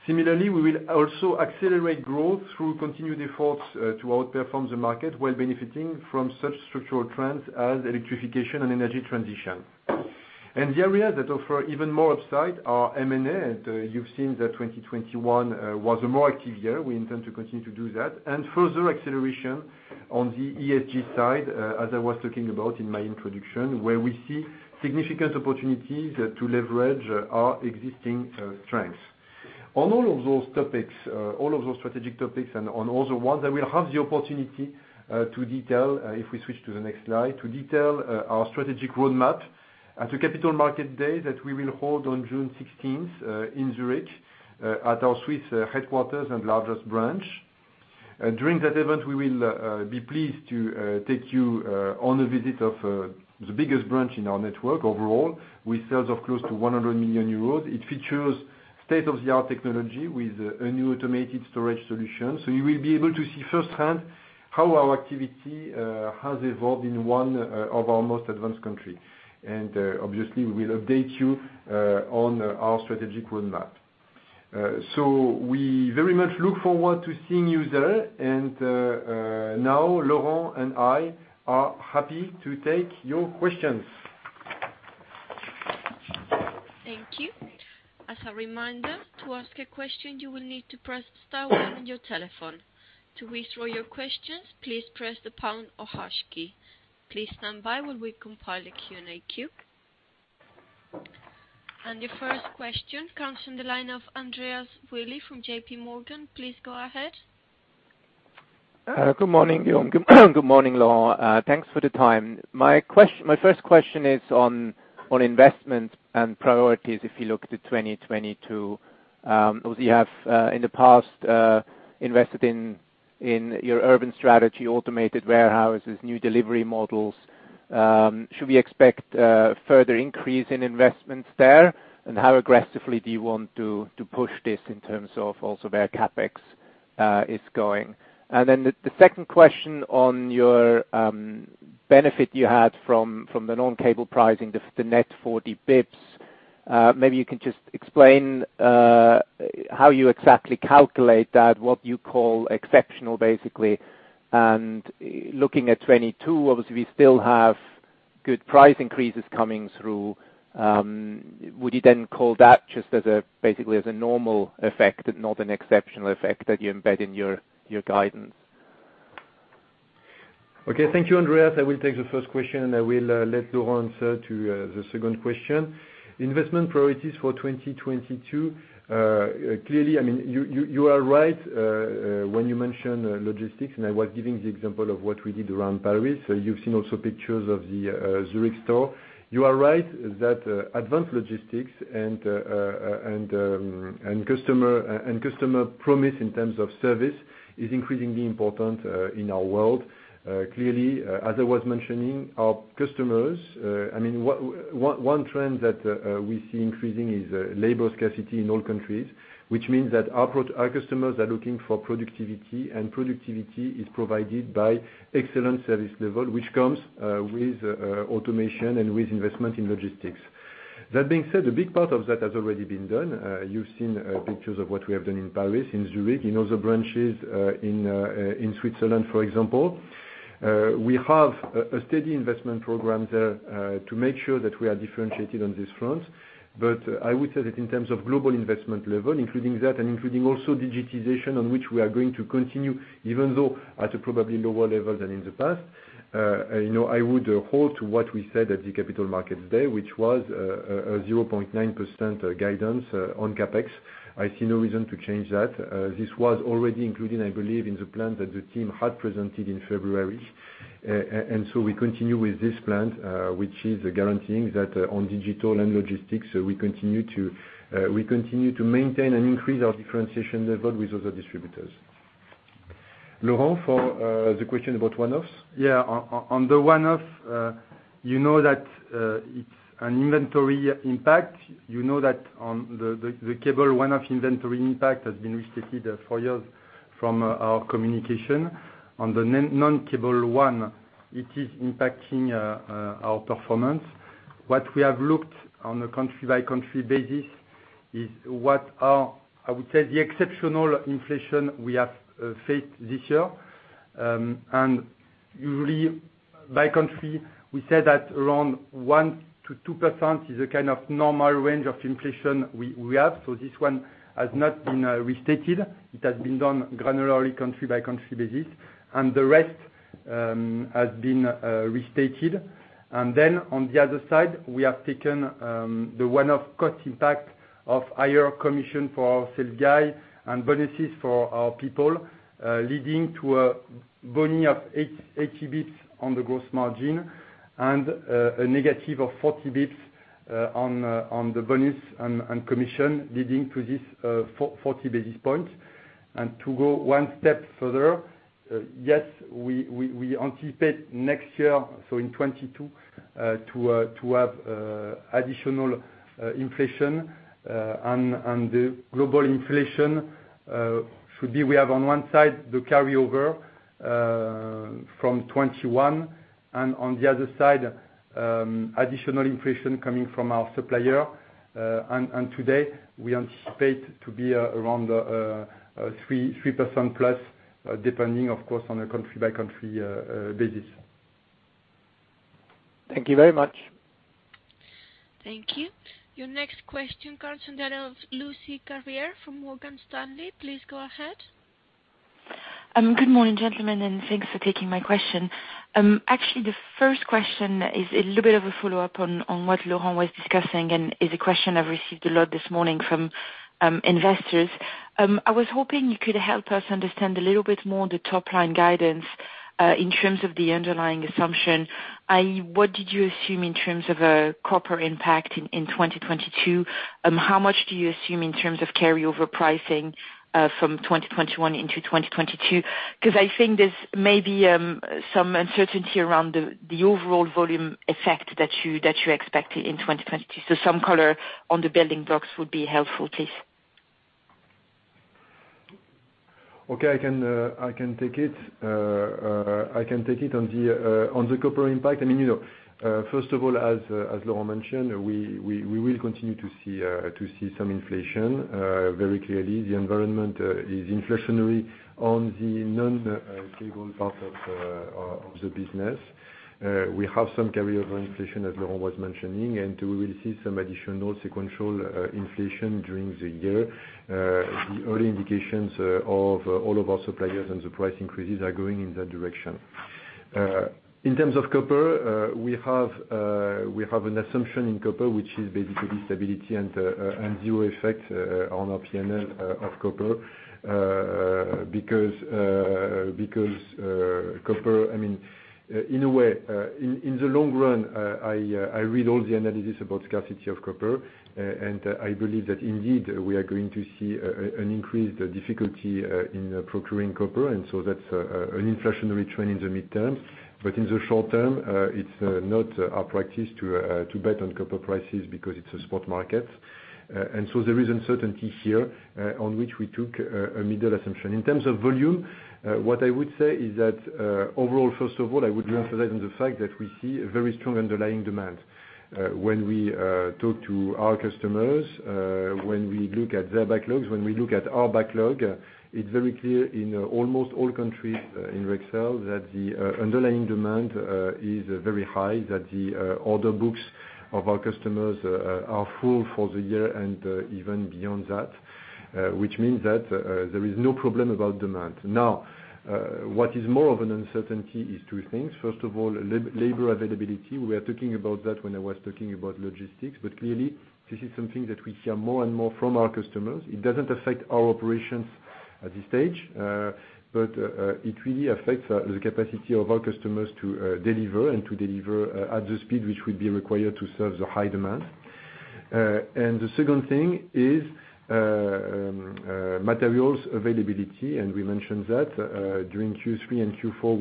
Similarly, we will also accelerate growth through continued efforts to outperform the market while benefiting from such structural trends as electrification and energy transition. The areas that offer even more upside are M&A. You've seen that 2021 was a more active year. We intend to continue to do that. Further acceleration on the ESG side, as I was talking about in my introduction, where we see significant opportunities to leverage our existing strengths. On all of those topics, all of those strategic topics, and on all the ones, I will have the opportunity to detail if we switch to the next slide, our strategic roadmap at the Capital Markets Day that we will hold on June 16th in Zurich at our Swiss headquarters and largest branch. During that event, we will be pleased to take you on a visit of the biggest branch in our network overall, with sales of close to 100 million euros. It features state-of-the-art technology with a new automated storage solution. You will be able to see firsthand how our activity has evolved in one of our most advanced country. Obviously, we will update you on our strategic roadmap. We very much look forward to seeing you there. Now Laurent and I are happy to take your questions. Thank you. As a reminder, to ask a question, you will need to press star one on your telephone. To withdraw your questions, please press the pound or hash key. Please stand by while we compile a Q&A queue. Your first question comes from the line of Andreas Willi from JPMorgan. Please go ahead. Good morning, Guillaume. Good morning, Laurent. Thanks for the time. My first question is on investment and priorities if you look to 2022. Obviously you have in the past invested in your urban strategy, automated warehouses, new delivery models. Should we expect a further increase in investments there? And how aggressively do you want to push this in terms of also where CapEx is going? And then the second question on your benefit you had from the non-cable pricing, the net 40 basis points. Maybe you can just explain how you exactly calculate that, what you call exceptional, basically. And looking at 2022, obviously, we still have good price increases coming through. Would you then call that just as a, basically, as a normal effect and not an exceptional effect that you embed in your guidance? Okay, thank you, Andreas. I will take the first question, and I will let Laurent answer to the second question. Investment priorities for 2022. Clearly, I mean, you are right when you mention logistics, and I was giving the example of what we did around Paris. So you've seen also pictures of the Zurich store. You are right that advanced logistics and customer promise in terms of service is increasingly important in our world. Clearly, as I was mentioning, our customers. I mean, one trend that we see increasing is labor scarcity in all countries, which means that our customers are looking for productivity, and productivity is provided by excellent service level, which comes with automation and with investment in logistics. That being said, a big part of that has already been done. You've seen pictures of what we have done in Paris, in Zurich, in other branches, in Switzerland, for example. We have a steady investment program there, to make sure that we are differentiated on this front. I would say that in terms of global investment level, including that and including also digitization on which we are going to continue, even though at a probably lower level than in the past, you know, I would hold to what we said at the Capital Markets Day, which was a 0.9% guidance on CapEx. I see no reason to change that. This was already included, I believe, in the plan that the team had presented in February. We continue with this plan, which is guaranteeing that on digital and logistics, we continue to maintain and increase our differentiation level with other distributors. Laurent, for the question about one-offs. Yeah, on the one-off, you know that it's an inventory impact. You know that on the cable one-off inventory impact has been restated four years from our communication. On the non-cable one, it is impacting our performance. What we have looked on a country-by-country basis is what are, I would say, the exceptional inflation we have faced this year. Usually by country, we say that around 1%-2% is a kind of normal range of inflation we have. This one has not been restated. It has been done granularly, country-by-country basis, and the rest has been restated. On the other side, we have taken the one-off cost impact of higher commission for our sales guy and bonuses for our people, leading to a booking of 80 basis points on the gross margin and a negative of 40 basis points on the bonus and commission leading to this 40 basis points. To go one step further, yes, we anticipate next year, so in 2022, to have additional inflation. The global inflation should be we have on one side the carryover from 2021, and on the other side, additional inflation coming from our supplier. Today we anticipate to be around 3% plus, depending of course, on a country-by-country basis. Thank you very much. Thank you. Your next question comes from Lucie Carrier from Morgan Stanley. Please go ahead. Good morning, gentlemen, and thanks for taking my question. Actually, the first question is a little bit of a follow-up on what Laurent was discussing and is a question I've received a lot this morning from investors. I was hoping you could help us understand a little bit more the top-line guidance in terms of the underlying assumption, i.e., what did you assume in terms of a copper impact in 2022? How much do you assume in terms of carryover pricing from 2021 into 2022? 'Cause I think there's maybe some uncertainty around the overall volume effect that you expected in 2022. Some color on the building blocks would be helpful, please. Okay, I can take it. On the copper impact, I mean, you know, first of all, as Laurent mentioned, we will continue to see some inflation very clearly. The environment is inflationary on the non-cable part of the business. We have some carryover inflation, as Laurent was mentioning, and we will see some additional sequential inflation during the year. The early indications of all of our suppliers and the price increases are going in that direction. In terms of copper, we have an assumption in copper, which is basically stability and zero effect on our P&L of copper. Because I mean, in a way, in the long run, I read all the analysis about scarcity of copper, and I believe that indeed, we are going to see an increased difficulty in procuring copper. That's an inflationary trend in the midterm. In the short term, it's not our practice to bet on copper prices because it's a spot market. There is uncertainty here on which we took a middle assumption. In terms of volume, what I would say is that overall, first of all, I would emphasize on the fact that we see a very strong underlying demand. When we talk to our customers, when we look at their backlogs, when we look at our backlog, it's very clear in almost all countries in Rexel that the underlying demand is very high, that the order books of our customers are full for the year and even beyond that, which means that there is no problem about demand. Now, what is more of an uncertainty is two things. First of all, labor availability. We are talking about that when I was talking about logistics. Clearly this is something that we hear more and more from our customers. It doesn't affect our operations at this stage, but it really affects the capacity of our customers to deliver at the speed which would be required to serve the high demand. The second thing is materials availability, and we mentioned that during Q3 and Q4,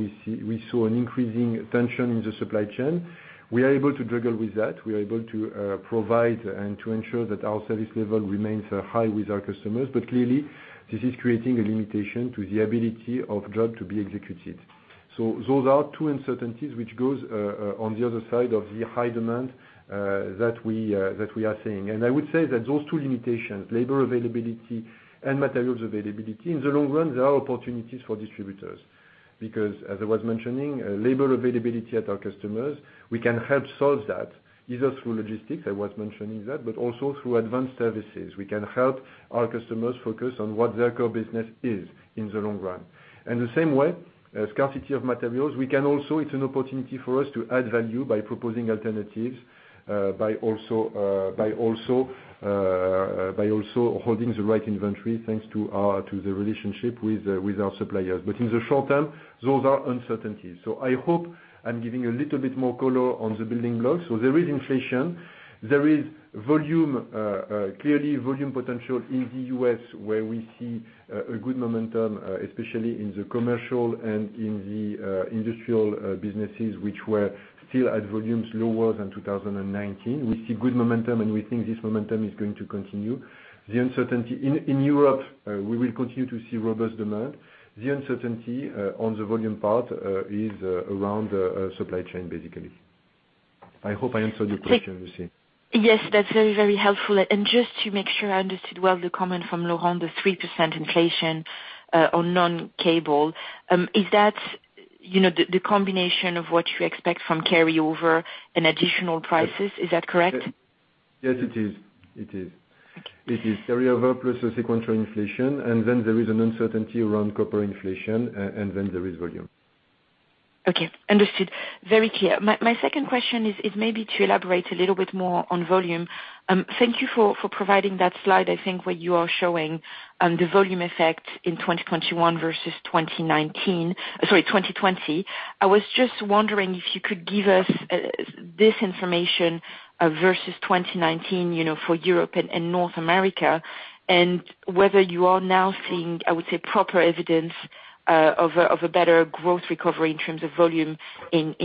we saw an increasing tension in the supply chain. We are able to juggle with that. We are able to provide and to ensure that our service level remains high with our customers. Clearly this is creating a limitation to the ability of job to be executed. Those are two uncertainties which goes on the other side of the high demand that we are seeing. I would say that those two limitations, labor availability and materials availability, in the long run, there are opportunities for distributors because as I was mentioning, labor availability at our customers, we can help solve that, either through logistics, I was mentioning that, but also through advanced services. We can help our customers focus on what their core business is in the long run. In the same way, scarcity of materials, we can also, it's an opportunity for us to add value by proposing alternatives, by also holding the right inventory thanks to our relationship with our suppliers. But in the short term, those are uncertainties. I hope I'm giving a little bit more color on the building blocks. There is inflation. There is volume, clearly volume potential in the U.S. where we see a good momentum, especially in the commercial and in the industrial businesses which were still at volumes lower than 2019. We see good momentum, and we think this momentum is going to continue. The uncertainty in Europe, we will continue to see robust demand. The uncertainty on the volume part is around supply chain, basically. I hope I answered your question, Lucie. Yes, that's very, very helpful. Just to make sure I understood well the comment from Laurent, the 3% inflation on non-cable is that, you know, the combination of what you expect from carryover and additional prices? Is that correct? Yes, it is. Okay. It is carryover plus a sequential inflation, and then there is an uncertainty around copper inflation, and then there is volume. Okay. Understood. Very clear. My second question is maybe to elaborate a little bit more on volume. Thank you for providing that slide, I think, where you are showing the volume effect in 2021 versus 2020. I was just wondering if you could give us this information versus 2019 for Europe and North America, and whether you are now seeing, I would say, proper evidence of a better growth recovery in terms of volume in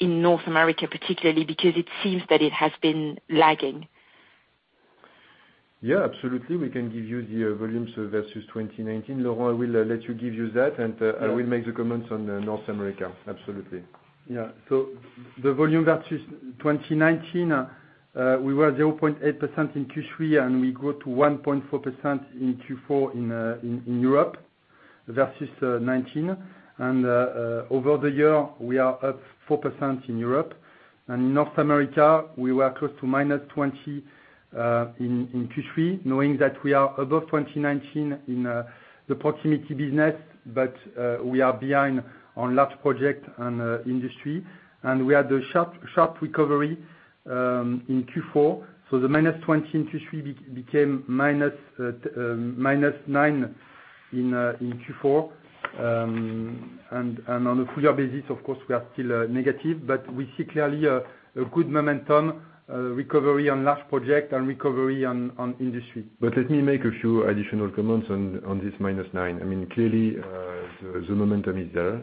North America particularly, because it seems that it has been lagging. Yeah, absolutely. We can give you the volumes versus 2019. Laurent, I will let you give that, and I will make the comments on North America. Absolutely. Yeah. The volume versus 2019, we were 0.8% in Q3, and we grew to 1.4% in Q4 in Europe versus 2019. Over the year, we are up 4% in Europe. In North America, we were close to -20% in Q3, knowing that we are above 2019 in the proximity business, but we are behind on large project and industry. We had a sharp recovery in Q4. The -20% in Q3 became -9% in Q4. On a full year basis, of course, we are still negative. We see clearly a good momentum, recovery on large project and recovery on industry. Let me make a few additional comments on this -9%. I mean, clearly, the momentum is there.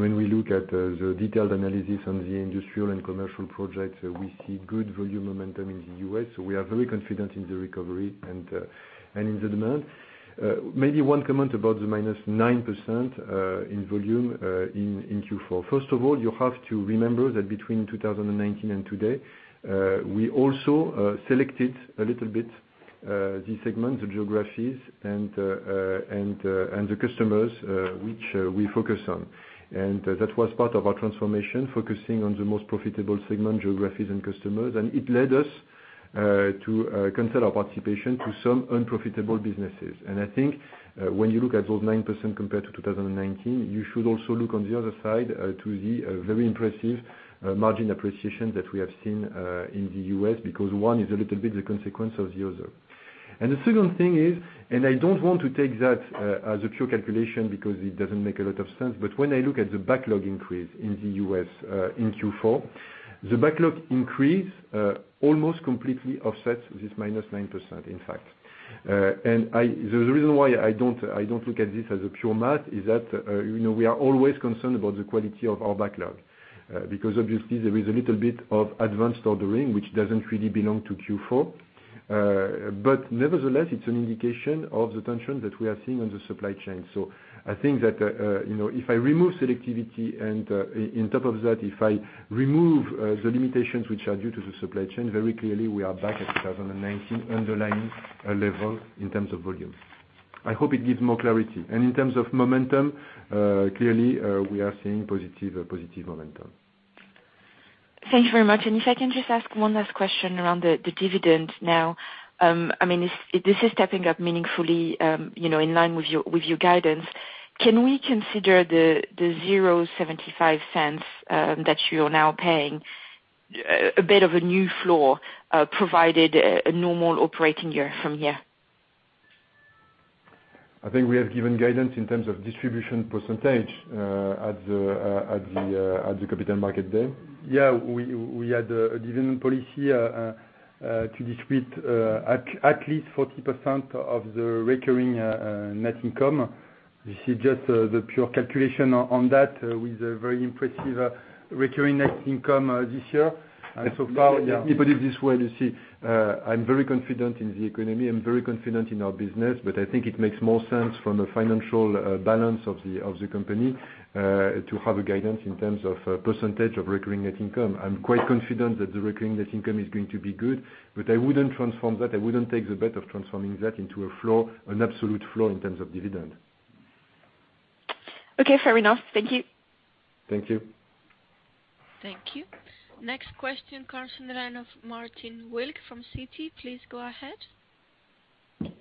When we look at the detailed analysis on the industrial and commercial projects, we see good volume momentum in the U.S. We are very confident in the recovery and in the demand. Maybe one comment about the -9% in volume in Q4. First of all, you have to remember that between 2019 and today, we also selected a little bit the segment, the geographies and the customers which we focus on. That was part of our transformation, focusing on the most profitable segment, geographies and customers. It led us to cancel our participation to some unprofitable businesses. I think when you look at those 9% compared to 2019, you should also look on the other side to the very impressive margin appreciation that we have seen in the U.S., because one is a little bit the consequence of the other. The second thing is, I don't want to take that as a pure calculation because it doesn't make a lot of sense, but when I look at the backlog increase in the U.S., in Q4, the backlog increase almost completely offsets this -9%, in fact. The reason why I don't look at this as a pure math is that, you know, we are always concerned about the quality of our backlog. Because obviously there is a little bit of advanced ordering which doesn't really belong to Q4. But nevertheless, it's an indication of the tension that we are seeing on the supply chain. I think that, you know, if I remove selectivity and, on top of that, if I remove the limitations which are due to the supply chain, very clearly we are back at 2019 underlying level in terms of volume. I hope it gives more clarity. In terms of momentum, clearly, we are seeing a positive momentum. Thank you very much. If I can just ask one last question around the dividend now. I mean, this is stepping up meaningfully, you know, in line with your guidance. Can we consider the 0.75 that you're now paying a bit of a new floor, provided a normal operating year from here? I think we have given guidance in terms of distribution percentage at the Capital Market Day. We had a dividend policy to distribute at least 40% of the recurring net income. This is just the pure calculation on that with a very impressive recurring net income this year. So far. Let me put it this way, Lucy. I'm very confident in the economy. I'm very confident in our business, but I think it makes more sense from a financial balance of the company to have a guidance in terms of a percentage of recurring net income. I'm quite confident that the recurring net income is going to be good, but I wouldn't transform that. I wouldn't take the bet of transforming that into a floor, an absolute floor in terms of dividend. Okay, fair enough. Thank you. Thank you. Thank you. Next question comes from the line of Martin Wilkie from Citi. Please go ahead.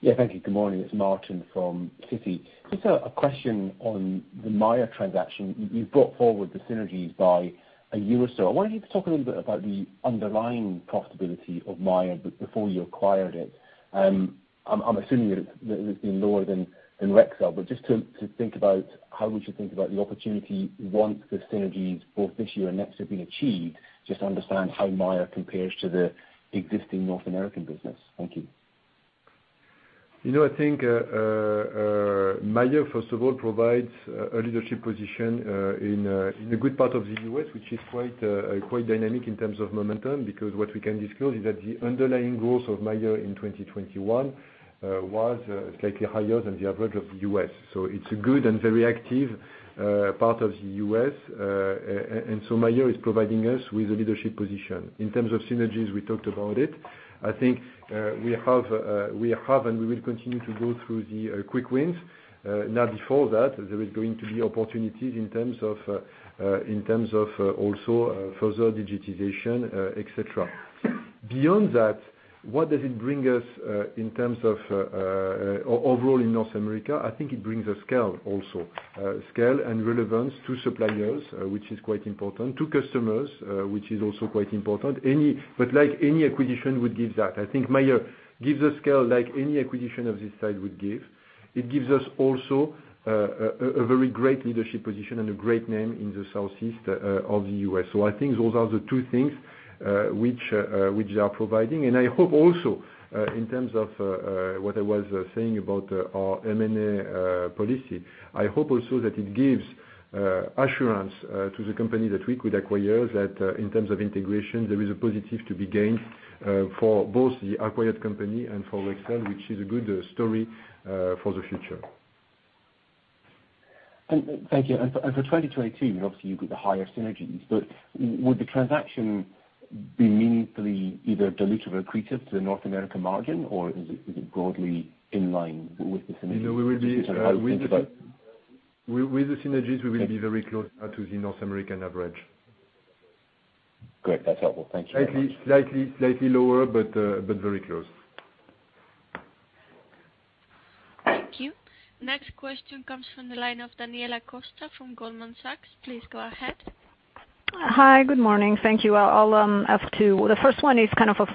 Yeah, thank you. Good morning. It's Martin Wilkie from Citi. Just a question on the Mayer transaction. You've brought forward the synergies by a year or so. I want you to talk a little bit about the underlying profitability of Mayer before you acquired it. I'm assuming that it's been lower than Rexel, but just to think about how we should think about the opportunity once the synergies both this year and next have been achieved, just to understand how Mayer compares to the existing North American business. Thank you. You know, I think, Mayer, first of all, provides a leadership position in a good part of the U.S., which is quite dynamic in terms of momentum, because what we can disclose is that the underlying growth of Mayer in 2021 was slightly higher than the average of U.S. It's a good and very active part of the U.S. Mayer is providing us with a leadership position. In terms of synergies, we talked about it. I think, we have and we will continue to go through the quick wins. Now before that, there is going to be opportunities in terms of also further digitization, et cetera. Beyond that, what does it bring us in terms of overall in North America? I think it brings a scale also. Scale and relevance to suppliers, which is quite important, to customers, which is also quite important. Like any acquisition would give that. I think Mayer gives a scale like any acquisition of this type would give. It gives us also a very great leadership position and a great name in the Southeast of the U.S. I think those are the two things which they are providing. I hope also, in terms of what I was saying about our M&A policy, I hope also that it gives assurance to the company that we could acquire that, in terms of integration, there is a positive to be gained for both the acquired company and for Rexel, which is a good story for the future. Thank you. For 2022, obviously you've got the higher synergies, but would the transaction be meaningfully either dilutive or accretive to the North America margin, or is it broadly in line with the synergies? How do you think about- With the synergies, we will be very close now to the North American average. Great. That's helpful. Thank you very much. Slightly lower, but very close. Thank you. Next question comes from the line of Daniela Costa from Goldman Sachs. Please go ahead. Hi, good morning. Thank you. I'll ask two. The first one is kind of a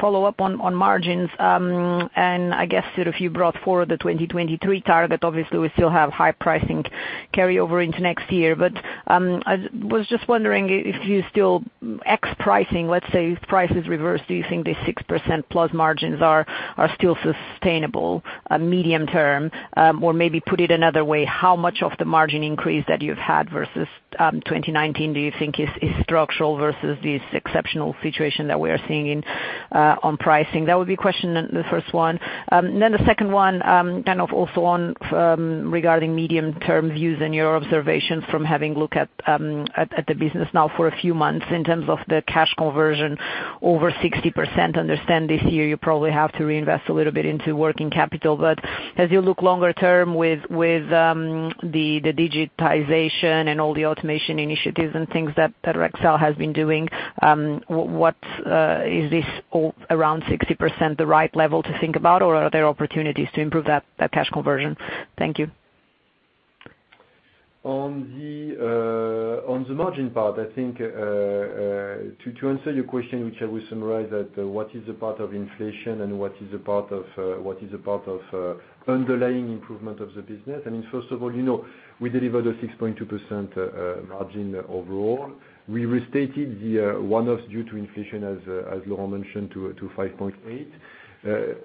follow-up on margins. I guess sort of you brought forward the 2023 target. Obviously, we still have high pricing carryover into next year. I was just wondering if you still expect pricing, let's say if prices reverse, do you think the 6%+ margins are still sustainable medium term? Or maybe put it another way, how much of the margin increase that you've had versus 2019 do you think is structural versus this exceptional situation that we are seeing on pricing? That would be the first one. The second one, kind of also on regarding medium-term views and your observations from having a look at the business now for a few months in terms of the cash conversion over 60%. I understand this year you probably have to reinvest a little bit into working capital. As you look longer term with the digitization and all the automation initiatives and things that Rexel has been doing, what is this all around 60% the right level to think about, or are there opportunities to improve that cash conversion? Thank you. On the margin part, I think, to answer your question, which I will summarize that what is the part of inflation and what is the part of underlying improvement of the business. I mean, first of all, you know, we delivered a 6.2% margin overall. We restated the one-offs due to inflation as Laurent mentioned, to 5.8%.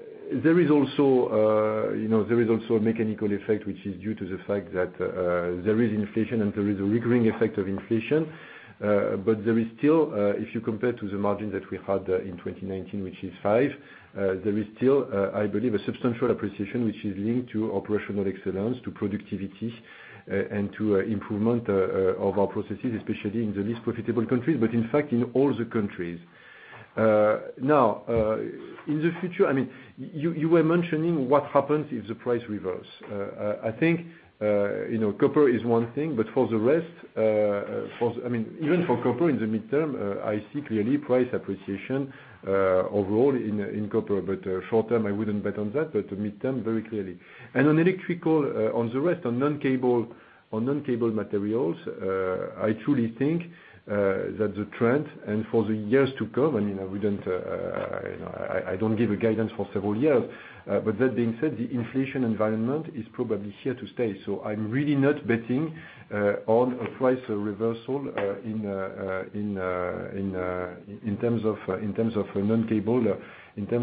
There is also, you know, there is also a mechanical effect, which is due to the fact that there is inflation and there is a recurring effect of inflation. There is still, if you compare to the margin that we had in 2019, which is 5%, I believe, a substantial appreciation which is linked to operational excellence, to productivity, and to improvement of our processes, especially in the least profitable countries, but in fact in all the countries. Now, in the future, I mean, you were mentioning what happens if the price reverse. I think, you know, copper is one thing, but for the rest, I mean, even for copper in the mid-term, I see clearly price appreciation, overall in copper. Short-term, I wouldn't bet on that, the mid-term very clearly. On electrical, on the rest, on non-cable materials, I truly think that the trend and for the years to come, I mean, we don't. I don't give a guidance for several years. But that being said, the inflation environment is probably here to stay. I'm really not betting on a price reversal in terms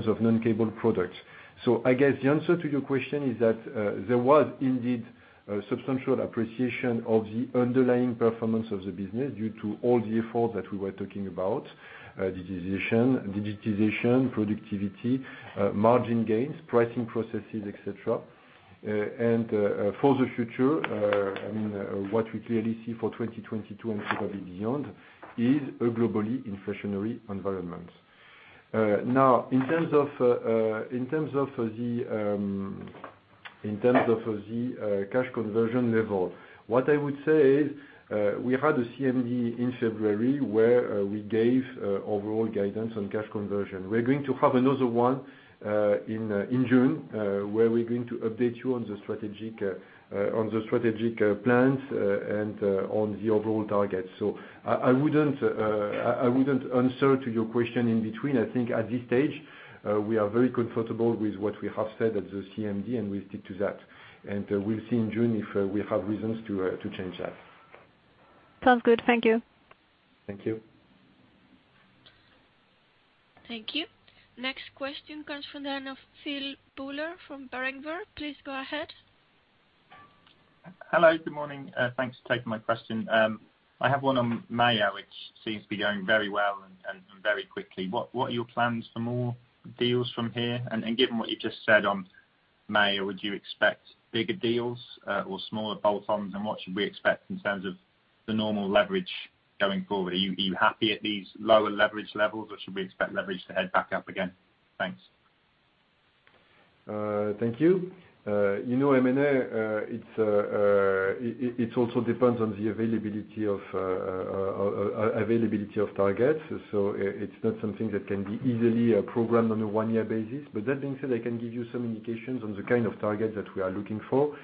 of non-cable products. I guess the answer to your question is that there was indeed a substantial appreciation of the underlying performance of the business due to all the efforts that we were talking about, digitization, productivity, margin gains, pricing processes, et cetera. For the future, I mean, what we clearly see for 2022 and probably beyond is a globally inflationary environment. Now, in terms of the cash conversion level, what I would say is, we had a CMD in February where we gave overall guidance on cash conversion. We're going to have another one in June, where we're going to update you on the strategic plans and on the overall target. I wouldn't answer to your question in between. I think at this stage, we are very comfortable with what we have said at the CMD, and we'll stick to that. We'll see in June if we have reasons to change that. Sounds good. Thank you. Thank you. Thank you. Next question comes from the line of Phil Buller from Berenberg. Please go ahead. Hello, good morning. Thanks for taking my question. I have one on Mayer, which seems to be going very well and very quickly. What are your plans for more deals from here? Given what you just said on Mayer, would you expect bigger deals or smaller bolt-ons? What should we expect in terms of the normal leverage going forward? Are you happy at these lower leverage levels, or should we expect leverage to head back up again? Thanks. Thank you. You know, M&A, it also depends on the availability of targets. It's not something that can be easily programmed on a one-year basis. That being said, I can give you some indications on the kind of target that we are looking for.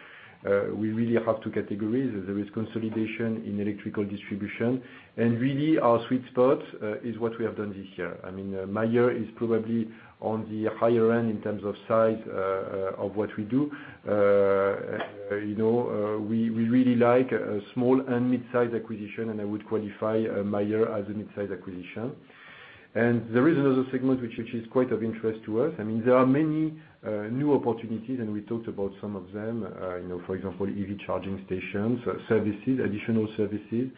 We really have two categories. There is consolidation in electrical distribution, and really our sweet spot is what we have done this year. I mean, Mayer is probably on the higher end in terms of size of what we do. You know, we really like a small and midsize acquisition, and I would qualify Mayer as a midsize acquisition. There is another segment which is quite of interest to us. I mean, there are many new opportunities, and we talked about some of them, you know, for example, EV charging stations, services, additional services.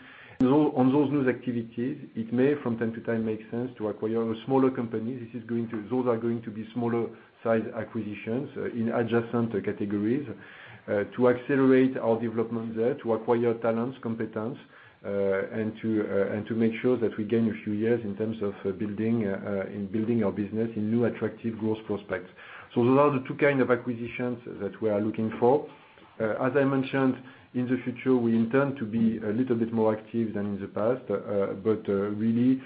On those new activities, it may from time to time make sense to acquire a smaller company. Those are going to be smaller size acquisitions in adjacent categories to accelerate our development there, to acquire talents, competence, and to make sure that we gain a few years in terms of building our business in new attractive growth prospects. Those are the two kind of acquisitions that we are looking for. As I mentioned, in the future, we intend to be a little bit more active than in the past. Really,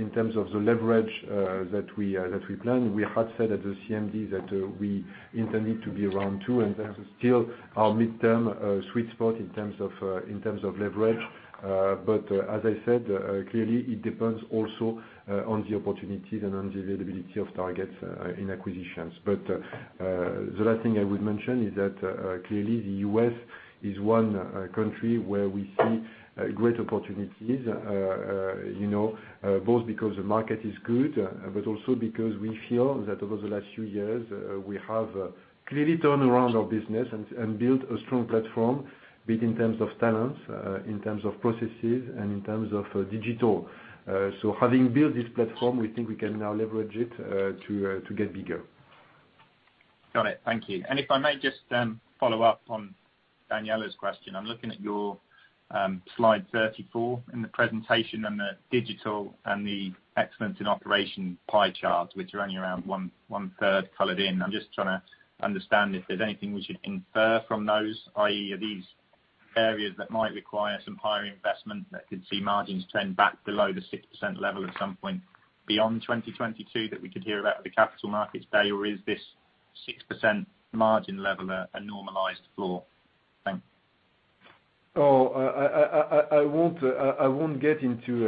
in terms of the leverage that we plan, we had said at the CMD that we intended to be around two, and that is still our midterm sweet spot in terms of leverage. As I said, clearly it depends also on the opportunities and on the availability of targets in acquisitions. The last thing I would mention is that clearly the U.S. is one country where we see great opportunities, you know, both because the market is good, but also because we feel that over the last few years, we have clearly turned around our business and built a strong platform, be it in terms of talents, in terms of processes, and in terms of digital. So having built this platform, we think we can now leverage it to get bigger. Got it. Thank you. If I may just follow up on Daniela's question. I'm looking at your slide 34 in the presentation and the digital and the excellence in operation pie charts, which are only around one-third colored in. I'm just trying to understand if there's anything we should infer from those, i.e., are these areas that might require some higher investment that could see margins trend back below the 6% level at some point beyond 2022 that we could hear about at the Capital Markets Day, or is this 6% margin level, a normalized floor. Thanks. I won't get into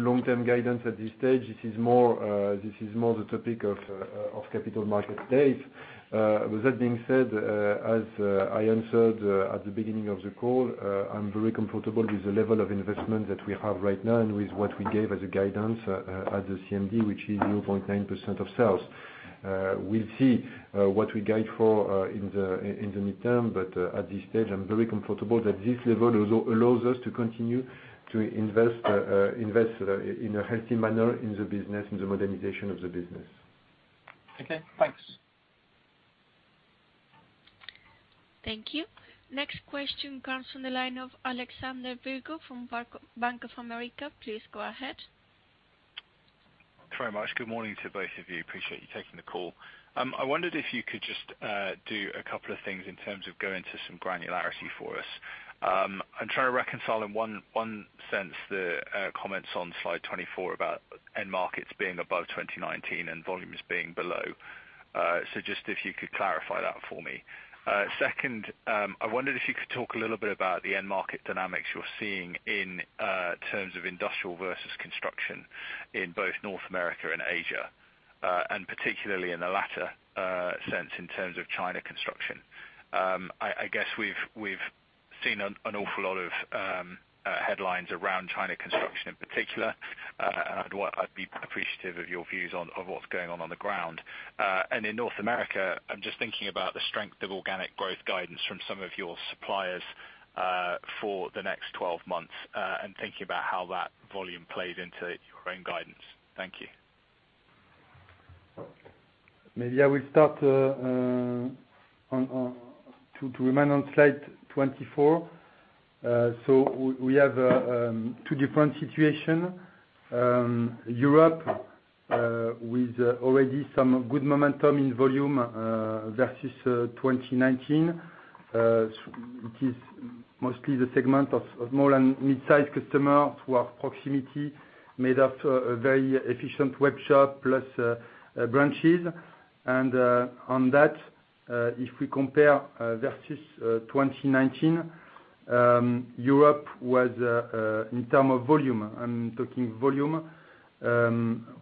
long-term guidance at this stage. This is more the topic of Capital Markets Day. With that being said, as I answered at the beginning of the call, I'm very comfortable with the level of investment that we have right now and with what we gave as a guidance at the CMD, which is 0.9% of sales. We'll see what we guide for in the midterm, but at this stage, I'm very comfortable that this level allows us to continue to invest in a healthy manner in the business, in the modernization of the business. Okay, thanks. Thank you. Next question comes from the line of Alexander Virgo from Bank of America. Please go ahead. Thanks very much. Good morning to both of you. Appreciate you taking the call. I wondered if you could just do a couple of things in terms of go into some granularity for us. I'm trying to reconcile in one sense the comments on slide 24 about end markets being above 2019 and volumes being below. Just if you could clarify that for me. Second, I wondered if you could talk a little bit about the end market dynamics you're seeing in terms of industrial versus construction in both North America and Asia, and particularly in the latter sense in terms of China construction. I guess we've seen an awful lot of headlines around China construction in particular. What I'd be appreciative of your views on, of what's going on on the ground. In North America, I'm just thinking about the strength of organic growth guidance from some of your suppliers, for the next 12 months, and thinking about how that volume plays into your own guidance. Thank you. Maybe I will start to remain on slide 24. So we have two different situations. Europe with already some good momentum in volume versus 2019. It is mostly the segment of small and mid-sized customers who have proximity to a very efficient workshop plus branches. On that, if we compare versus 2019, Europe was in terms of volume. I'm talking volume.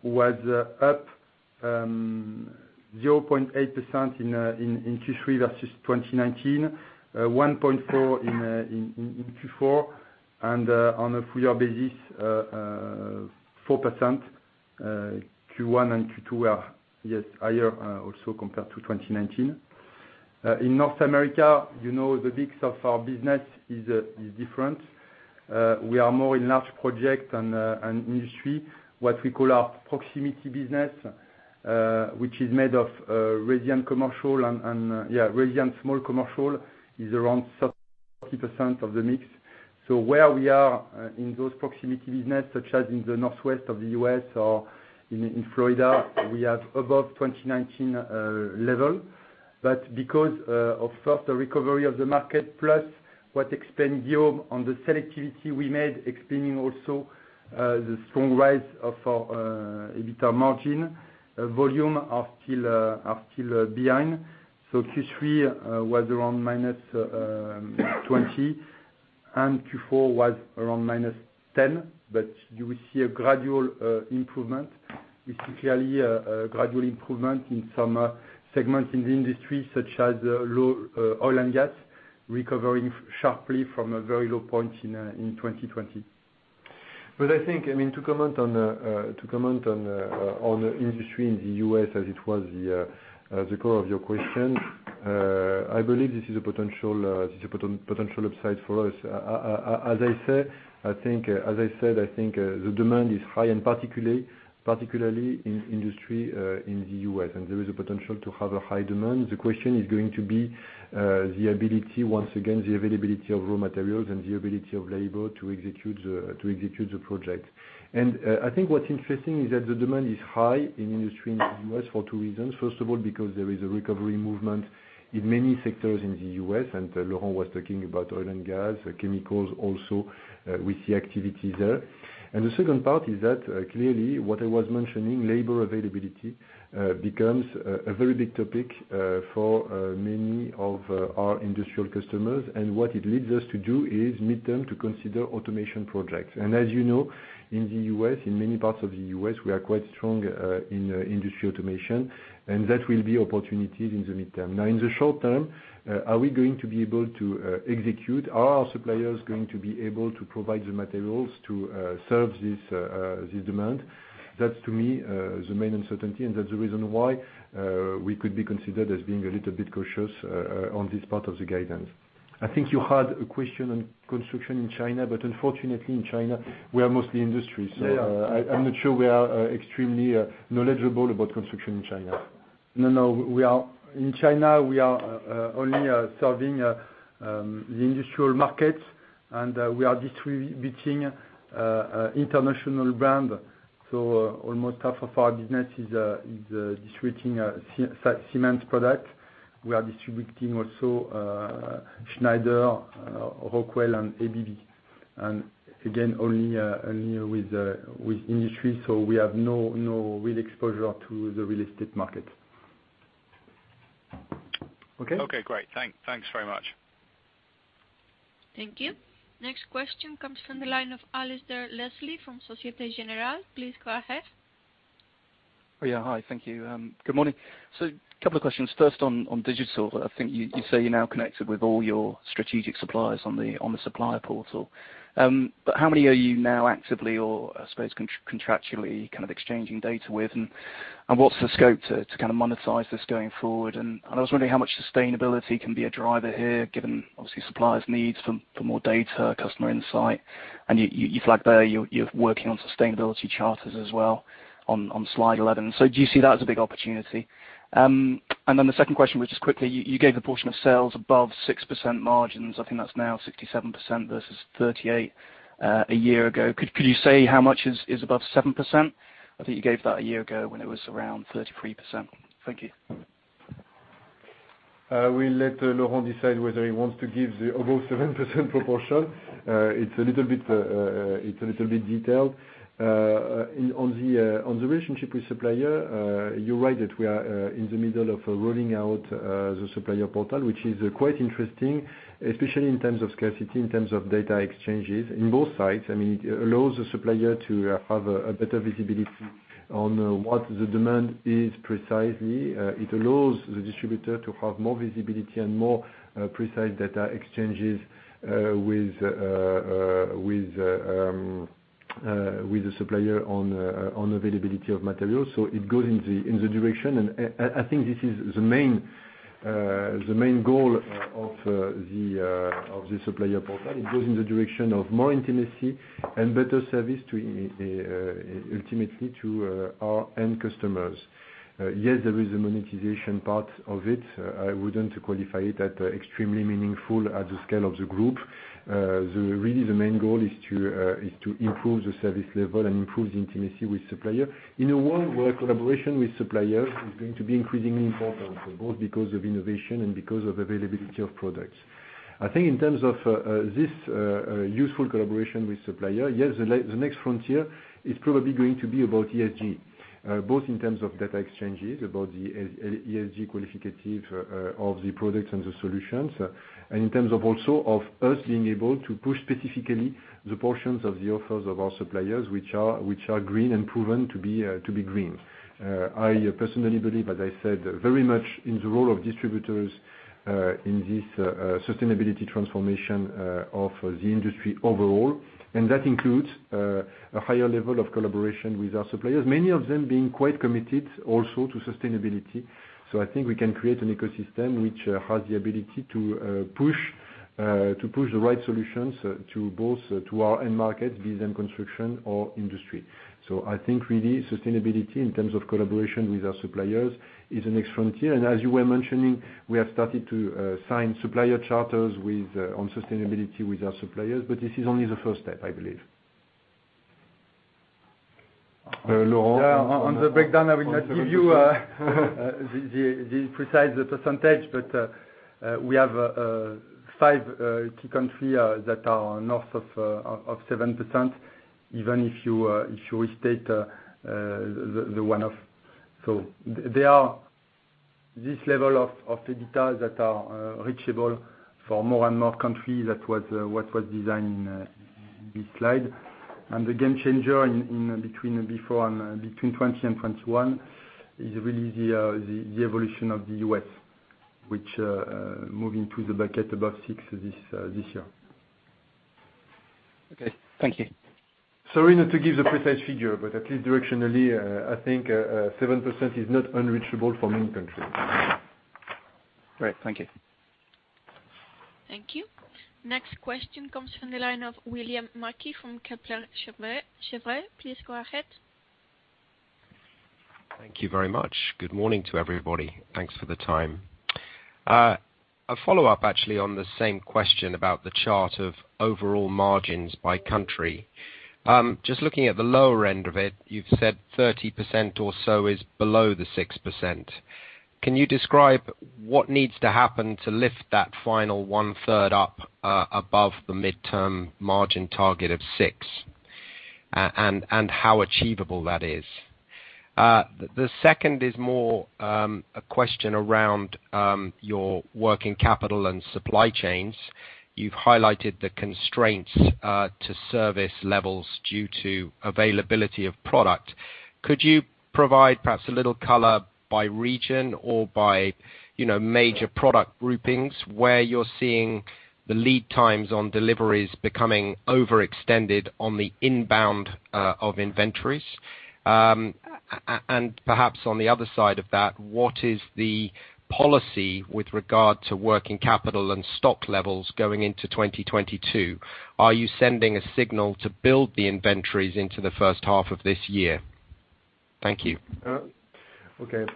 Was up 0.8% in Q3 versus 2019. 1.4% in Q4, and on a full year basis 4%, Q1 and Q2 were yes higher also compared to 2019. In North America, you know, the mix of our business is different. We are more in large project and industry, what we call our proximity business, which is made of residential commercial and small commercial is around 30% of the mix. Where we are in those proximity business, such as in the northwest of the U.S. or in Florida, we have above 2019 level. Because of first the recovery of the market, plus what Guillaume explained on the selectivity we made, explaining also the strong rise of our EBITDA margin, volumes are still behind. Q3 was around -20%, and Q4 was around -10%. You will see a gradual improvement. You see clearly a gradual improvement in some segments in the industry, such as low oil and gas recovering sharply from a very low point in 2020. I think, I mean, to comment on industry in the U.S. as it was the core of your question, I believe this is a potential upside for us. As I said, I think the demand is high and particularly in industry in the U.S. There is a potential to have a high demand. The question is going to be the ability, once again, the availability of raw materials and the ability of labor to execute the project. I think what's interesting is that the demand is high in industry in the U.S. for two reasons. First of all, because there is a recovery movement in many sectors in the U.S., and Laurent was talking about oil and gas, chemicals also, with the activity there. The second part is that clearly what I was mentioning, labor availability, becomes a very big topic for many of our industrial customers. What it leads us to do is meet them to consider automation projects. As you know, in the U.S., in many parts of the U.S., we are quite strong in industrial automation, and that will be opportunities in the medium term. Now, in the short term, are we going to be able to execute? Are our suppliers going to be able to provide the materials to serve this demand? That's to me, the main uncertainty, and that's the reason why, we could be considered as being a little bit cautious, on this part of the guidance. I think you had a question on construction in China, but unfortunately in China, we are mostly industry. Yeah, yeah. I'm not sure we are extremely knowledgeable about construction in China. No, we are in China only serving the industrial markets, and we are distributing international brand. Almost half of our business is distributing Siemens product. We are distributing also Schneider, Rockwell and ABB. Again, only with industry, so we have no real exposure to the real estate market. Okay? Okay, great. Thanks very much. Thank you. Next question comes from the line of Alistair Leslie from Société Générale. Please go ahead. Oh, yeah. Hi. Thank you. Good morning. Couple of questions, first on digital. I think you say you're now connected with all your strategic suppliers on the supplier portal. But how many are you now actively or, I suppose, contractually kind of exchanging data with? And what's the scope to kind of monetize this going forward? I was wondering how much sustainability can be a driver here, given obviously suppliers' needs for more data, customer insight. You flagged there you're working on sustainability charters as well on slide 11. Do you see that as a big opportunity? The second question was just quickly, you gave the portion of sales above 6% margins. I think that's now 67% versus 38% a year ago. Could you say how much is above 7%? I think you gave that a year ago when it was around 33%. Thank you. I will let Laurent decide whether he wants to give the above 7% proportion. It's a little bit detailed. On the relationship with supplier, you're right, that we are in the middle of rolling out the supplier portal, which is quite interesting, especially in terms of scarcity, in terms of data exchanges in both sides. I mean, it allows the supplier to have a better visibility on what the demand is precisely. It allows the distributor to have more visibility and more precise data exchanges with the supplier on availability of materials. It goes in the direction. I think this is the main goal of the supplier portal. It goes in the direction of more intimacy and better service to ultimately our end customers. Yes, there is a monetization part of it. I wouldn't qualify it as extremely meaningful at the scale of the group. Really the main goal is to improve the service level and improve the intimacy with supplier in a world where collaboration with suppliers is going to be increasingly important, both because of innovation and because of availability of products. I think in terms of this useful collaboration with supplier, yes, the next frontier is probably going to be about ESG, both in terms of data exchanges about the ESG qualification of the products and the solutions. In terms of us also being able to push specifically the portions of the offers of our suppliers, which are green and proven to be green. I personally believe, as I said, very much in the role of distributors in this sustainability transformation of the industry overall. That includes a higher level of collaboration with our suppliers, many of them being quite committed also to sustainability. I think we can create an ecosystem which has the ability to push the right solutions to both our end markets, be them construction or industry. I think really sustainability in terms of collaboration with our suppliers is the next frontier. As you were mentioning, we have started to sign supplier charters with on sustainability with our suppliers, but this is only the first step, I believe. Laurent? On the breakdown, I will not give you the precise percentage, but we have five key country that are north of 7%, even if you restate the one-off. There are this level of EBITDA that are reachable for more and more countries. That was what was designed in this slide. The game changer in between 2020 and 2021 is really the evolution of the U.S., which moving to the bucket above 6% this year. Okay. Thank you. Sorry not to give the precise figure, but at least directionally, I think, 7% is not unreachable for many countries. Great. Thank you. Thank you. Next question comes from the line of William Mackie from Kepler Cheuvreux. Please go ahead. Thank you very much. Good morning to everybody. Thanks for the time. A follow-up actually on the same question about the chart of overall margins by country. Just looking at the lower end of it, you've said 30% or so is below the 6%. Can you describe what needs to happen to lift that final one-third up above the midterm margin target of 6%, and how achievable that is? The second is more a question around your working capital and supply chains. You've highlighted the constraints to service levels due to availability of product. Could you provide perhaps a little color by region or by, you know, major product groupings where you're seeing the lead times on deliveries becoming overextended on the inbound of inventories? Perhaps on the other side of that, what is the policy with regard to working capital and stock levels going into 2022? Are you sending a signal to build the inventories into the first half of this year? Thank you. Okay.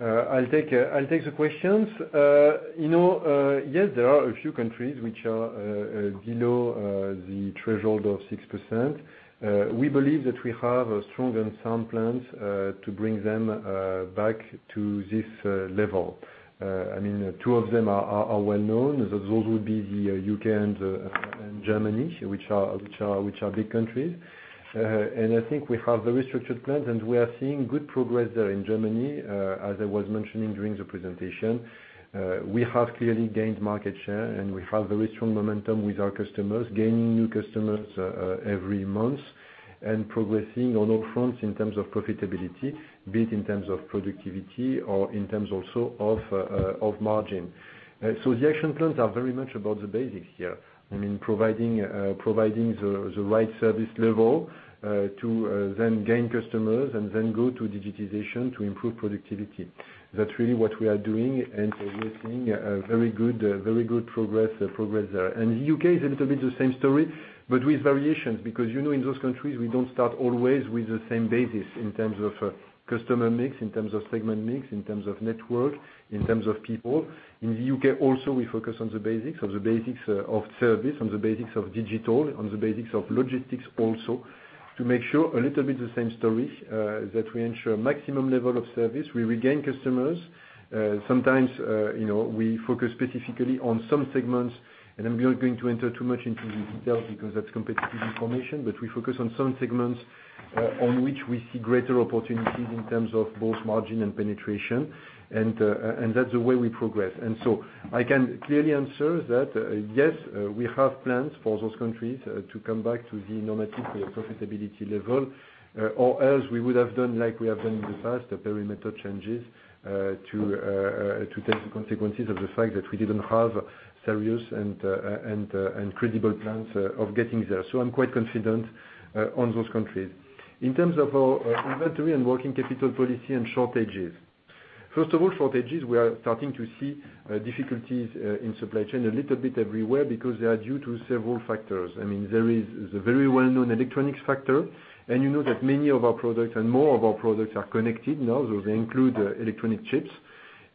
I'll take the questions. You know, yes, there are a few countries which are below the threshold of 6%. We believe that we have strong and sound plans to bring them back to this level. I mean, two of them are well known. Those would be the U.K. and Germany, which are big countries. I think we have very structured plans, and we are seeing good progress there in Germany. As I was mentioning during the presentation, we have clearly gained market share, and we have very strong momentum with our customers, gaining new customers every month. Progressing on all fronts in terms of profitability, be it in terms of productivity or in terms also of margin. The action plans are very much about the basics here. I mean, providing the right service level to then gain customers and then go to digitization to improve productivity. That's really what we are doing, and we're seeing a very good progress there. U.K. is a little bit the same story, but with variations. Because, you know, in those countries, we don't start always with the same basis in terms of customer mix, in terms of segment mix, in terms of network, in terms of people. In the U.K. also we focus on the basics of service, on the basics of digital, on the basics of logistics also, to make sure a little bit the same story that we ensure maximum level of service. We regain customers. Sometimes, you know, we focus specifically on some segments, and I'm not going to enter too much into the details because that's competitive information. We focus on some segments on which we see greater opportunities in terms of both margin and penetration, and that's the way we progress. I can clearly answer that, yes, we have plans for those countries to come back to the normative profitability level, or else we would have done like we have done in the past, the perimeter changes, to take the consequences of the fact that we didn't have serious and credible plans of getting there. I'm quite confident on those countries. In terms of our inventory and working capital policy and shortages. First of all, shortages, we are starting to see difficulties in supply chain a little bit everywhere because they are due to several factors. I mean, there is the very well-known electronics factor. You know that many of our products and more of our products are connected now, so they include electronic chips.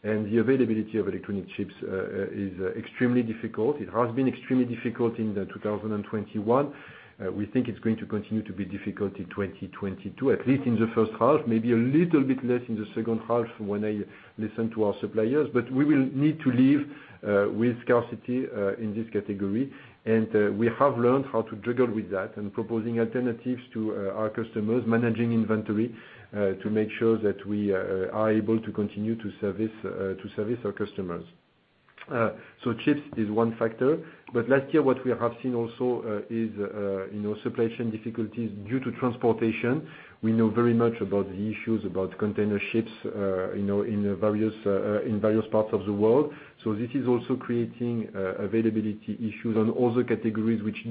The availability of electronic chips is extremely difficult. It has been extremely difficult in 2021. We think it's going to continue to be difficult in 2022, at least in the first half, maybe a little bit less in the second half when I listen to our suppliers. We will need to live with scarcity in this category. We have learned how to juggle with that and proposing alternatives to our customers, managing inventory to make sure that we are able to continue to service our customers. Chips is one factor. Last year, what we have seen also is, you know, supply chain difficulties due to transportation. We know very much about the issues about container ships, you know, in various parts of the world. This is also creating availability issues on other categories which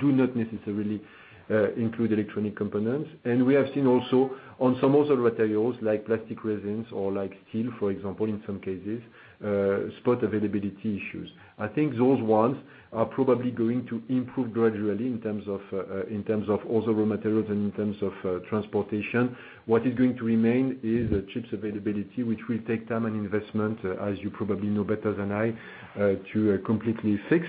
do not necessarily include electronic components. We have seen also on some other materials like plastic resins or like steel, for example, in some cases, spot availability issues. I think those ones are probably going to improve gradually in terms of other raw materials and in terms of transportation. What is going to remain is chips availability, which will take time and investment, as you probably know better than I, to completely fix.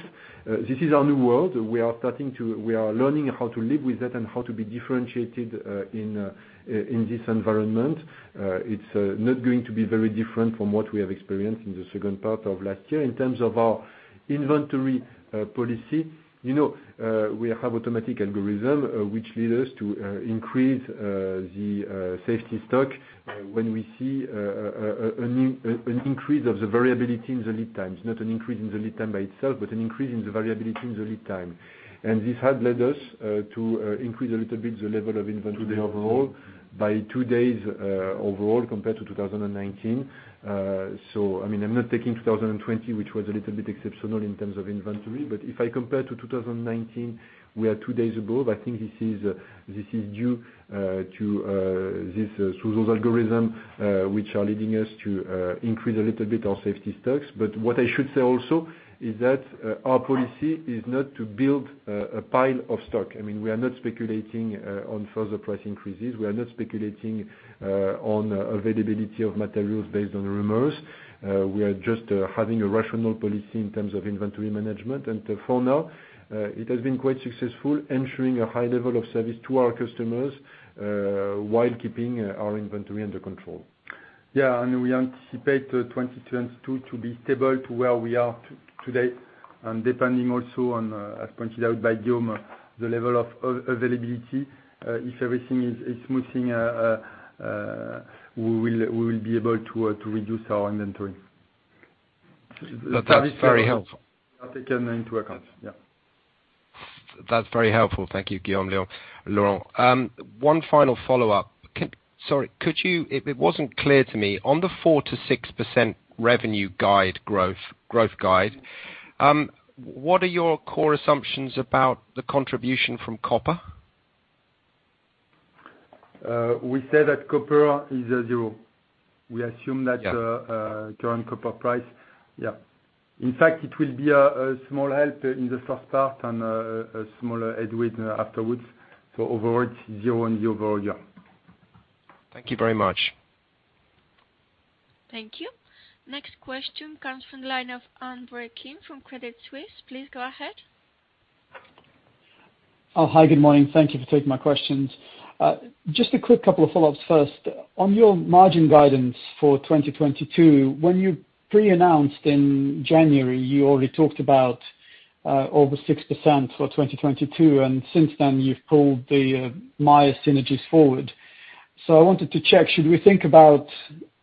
This is our new world. We are learning how to live with that and how to be differentiated in this environment. It's not going to be very different from what we have experienced in the second part of last year. In terms of our inventory policy, you know, we have automatic algorithm which lead us to increase the safety stock when we see an increase of the variability in the lead times. Not an increase in the lead time by itself, but an increase in the variability in the lead time. This had led us to increase a little bit the level of inventory overall by two days overall compared to 2019. I mean, I'm not taking 2020, which was a little bit exceptional in terms of inventory. If I compare to 2019, we are 2 days above. I think this is due to this through those algorithms, which are leading us to increase a little bit our safety stocks. What I should say also is that our policy is not to build a pile of stock. I mean, we are not speculating on further price increases. We are not speculating on availability of materials based on rumors. We are just having a rational policy in terms of inventory management. For now, it has been quite successful ensuring a high level of service to our customers while keeping our inventory under control. Yeah, we anticipate 2022 to be stable to where we are today. Depending also on, as pointed out by Guillaume, the level of availability, we will be able to reduce our inventory. That's very helpful. I'll take that into account. Yeah. That's very helpful. Thank you, Guillaume, Laurent. One final follow-up. Sorry, it wasn't clear to me. On the 4%-6% revenue growth guide, what are your core assumptions about the contribution from copper? We said that copper is at zero. We assume that Yeah. Current copper price. Yeah. In fact, it will be a small help in the first part and a smaller headwind afterwards. Overall, it's zero and zero overall. Thank you very much. Thank you. Next question comes from the line of Andre Kukhnin from Credit Suisse. Please go ahead. Oh, hi, good morning. Thank you for taking my questions. Just a quick couple of follow-ups first. On your margin guidance for 2022, when you pre-announced in January, you already talked about over 6% for 2022, and since then, you've pulled the Mayer synergies forward. I wanted to check, should we think about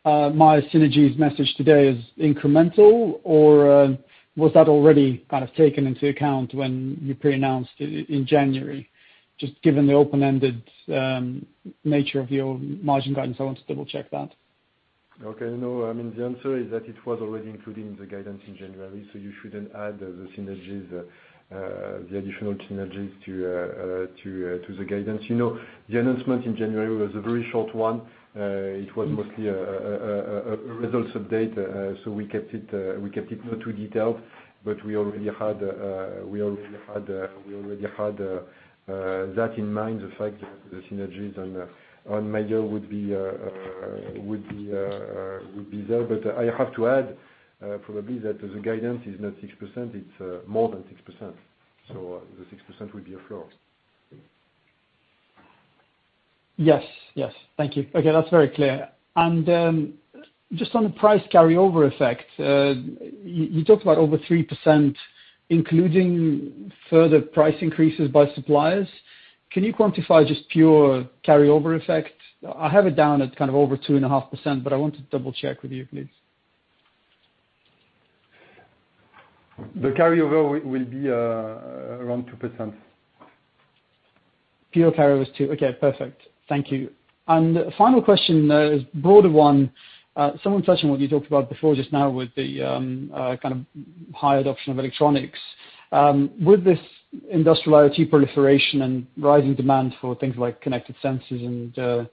Mayer synergies message today as incremental, or was that already kind of taken into account when you pre-announced it in January? Just given the open-ended nature of your margin guidance, I wanted to double check that. Okay. No, I mean, the answer is that it was already included in the guidance in January, so you shouldn't add the synergies, the additional synergies to the guidance. You know, the announcement in January was a very short one. Mm-hmm. It was mostly a results update, so we kept it not too detailed, but we already had that in mind, the fact that the synergies on Mayer would be there. But I have to add probably that the guidance is not 6%, it's more than 6%. The 6% would be a floor. Yes. Yes. Thank you. Okay. That's very clear. Just on the price carryover effect, you talked about over 3%, including further price increases by suppliers. Can you quantify just pure carryover effect? I have it down at kind of over 2.5%, but I want to double check with you, please. The carryover will be around 2%. Pure carryover is 2%. Okay, perfect. Thank you. Final question is broader one. Someone touching what you talked about before just now with the kind of high adoption of electronics. With this industrial IoT proliferation and rising demand for things like connected sensors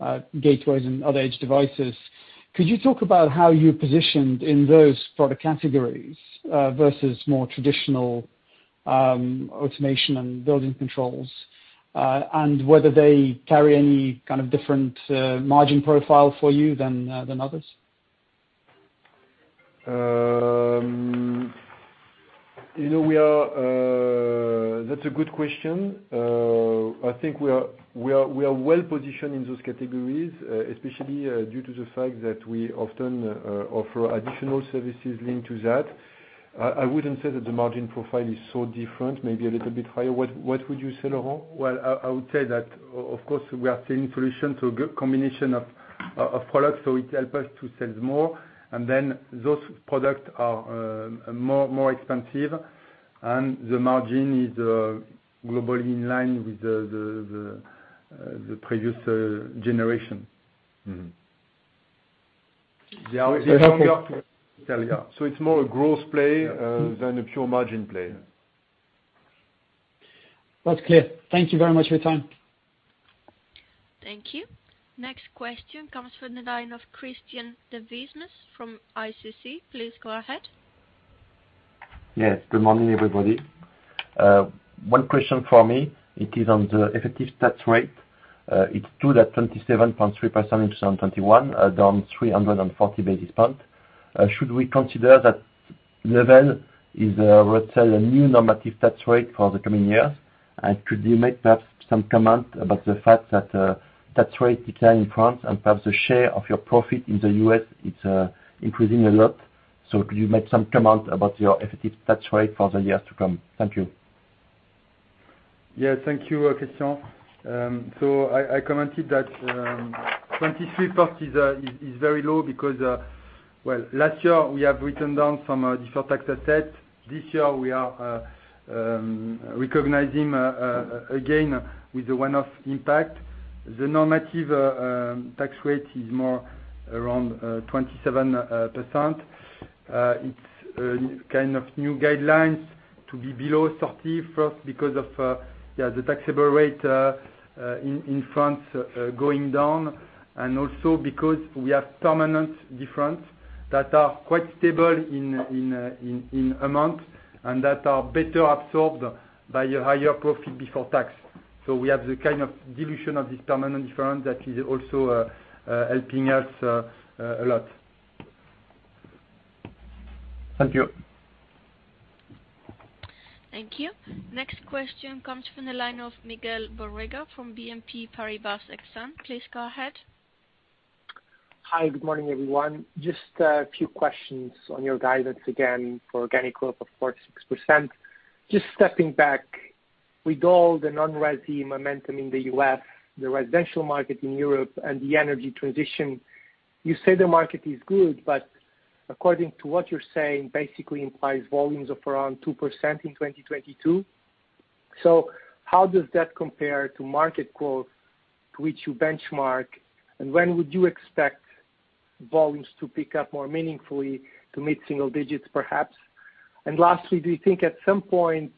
and gateways and other edge devices, could you talk about how you're positioned in those product categories versus more traditional automation and building controls and whether they carry any kind of different margin profile for you than others? You know, that's a good question. I think we are well positioned in those categories, especially due to the fact that we often offer additional services linked to that. I wouldn't say that the margin profile is so different, maybe a little bit higher. What would you say, Laurent? Well, I would say that, of course, we are seeing solutions to a combination of products, so it help us to sell more. Then those products are more expensive and the margin is globally in line with the previous generation. Mm-hmm. They are. I hope you Yeah. It's more a gross play- Yeah. than a pure margin play. Yeah. Well, it's clear. Thank you very much for your time. Thank you. Next question comes from the line of Christian Devismes from CIC. Please go ahead. Yes, good morning, everybody. One question for me. It is on the effective tax rate. It's true that 27.3% in 2021, down 340 basis points. Should we consider that level is, let's say, a new normative tax rate for the coming years? Could you make perhaps some comment about the fact that, tax rate decline in France and perhaps the share of your profit in the U.S. is, increasing a lot. Could you make some comment about your effective tax rate for the years to come? Thank you. Yeah, thank you, Christian. I commented that 23% is very low because, well, last year we have written down some deferred tax asset. This year we are recognizing again with the one-off impact. The normative tax rate is more around 27%. It's kind of new guidelines to be below 30%, first because of the taxable rate in France going down, and also because we have permanent differences that are quite stable in amount and that are better absorbed by your higher profit before tax. We have the kind of dilution of this permanent differences that is also helping us a lot. Thank you. Thank you. Next question comes from the line of Miguel Borrega from BNP Paribas Exane. Please go ahead. Hi, good morning, everyone. Just a few questions on your guidance again for organic growth of 46%. Just stepping back, with all the non-resi momentum in the U.S., the residential market in Europe and the energy transition, you say the market is good, but according to what you're saying, basically implies volumes of around 2% in 2022. How does that compare to market growth to which you benchmark? When would you expect volumes to pick up more meaningfully to mid-single digits, perhaps? Lastly, do you think at some point,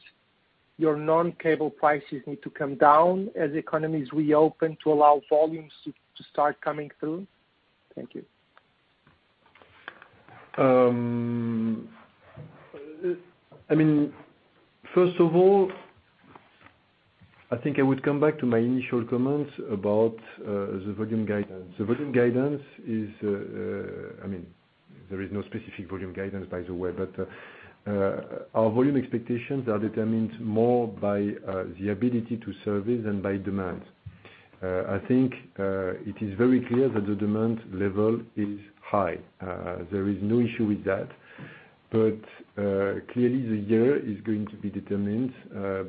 your non-cable prices need to come down as economies reopen to allow volumes to start coming through? Thank you. I mean, first of all, I think I would come back to my initial comments about the volume guidance. The volume guidance is, I mean, there is no specific volume guidance by the way, but our volume expectations are determined more by the ability to service than by demand. I think it is very clear that the demand level is high. There is no issue with that. Clearly, the year is going to be determined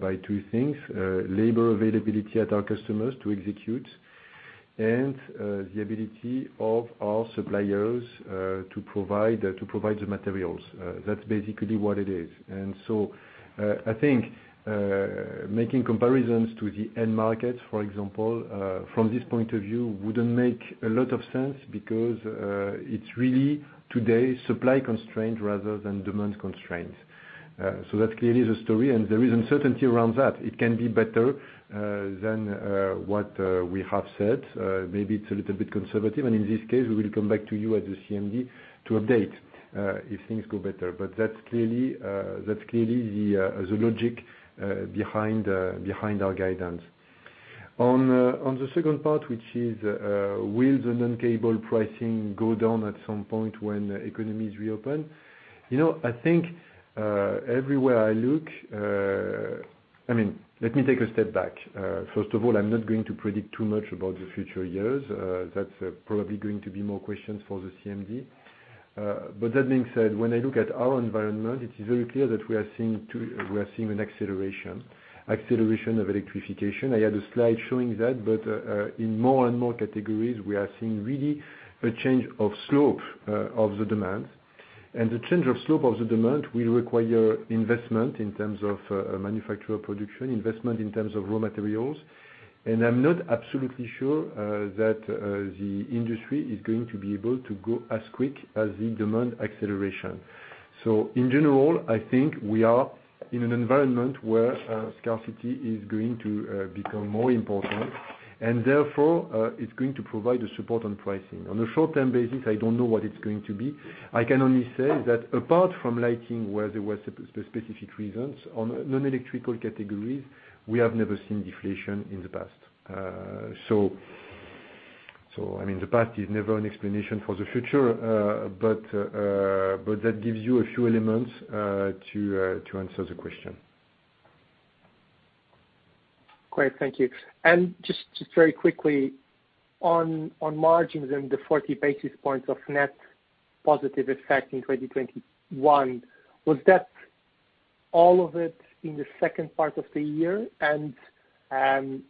by two things, labor availability at our customers to execute and the ability of our suppliers to provide the materials. That's basically what it is. I think making comparisons to the end markets, for example, from this point of view wouldn't make a lot of sense because it's really today supply constraint rather than demand constraint. That's clearly the story, and there is uncertainty around that. It can be better than what we have said. Maybe it's a little bit conservative, and in this case, we will come back to you at the CMD to update if things go better. That's clearly the logic behind our guidance. On the second part, which is, will the non-cable pricing go down at some point when economies reopen? You know, I think everywhere I look. I mean, let me take a step back. First of all, I'm not going to predict too much about the future years. That's probably going to be more questions for the CMD. That being said, when I look at our environment, it is very clear that we are seeing an acceleration of electrification. I had a slide showing that, but in more and more categories, we are seeing really a change of slope of the demand. The change of slope of the demand will require investment in terms of manufacturing production, investment in terms of raw materials. I'm not absolutely sure that the industry is going to be able to go as quick as the demand acceleration. In general, I think we are in an environment where scarcity is going to become more important, and therefore, it's going to provide a support on pricing. On a short-term basis, I don't know what it's going to be. I can only say that apart from lighting, where there was specific reasons, on non-electrical categories, we have never seen deflation in the past. I mean, the past is never an explanation for the future, but that gives you a few elements to answer the question. Great. Thank you. Just very quickly on margins and the 40 basis points of net positive effect in 2021, was that all of it in the second part of the year?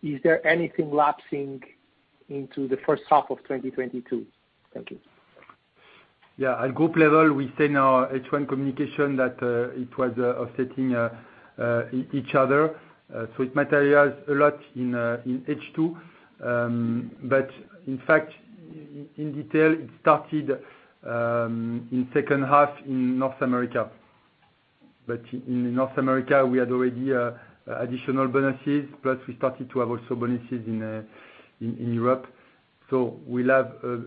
Is there anything lapsing into the first half of 2022? Thank you. Yeah. At group level, we said in our H1 communication that it was offsetting each other. It materializes a lot in H2. In fact, in detail, it started in second half in North America. In North America, we had already additional volumes, plus we started to have also volumes in Europe. We'll have a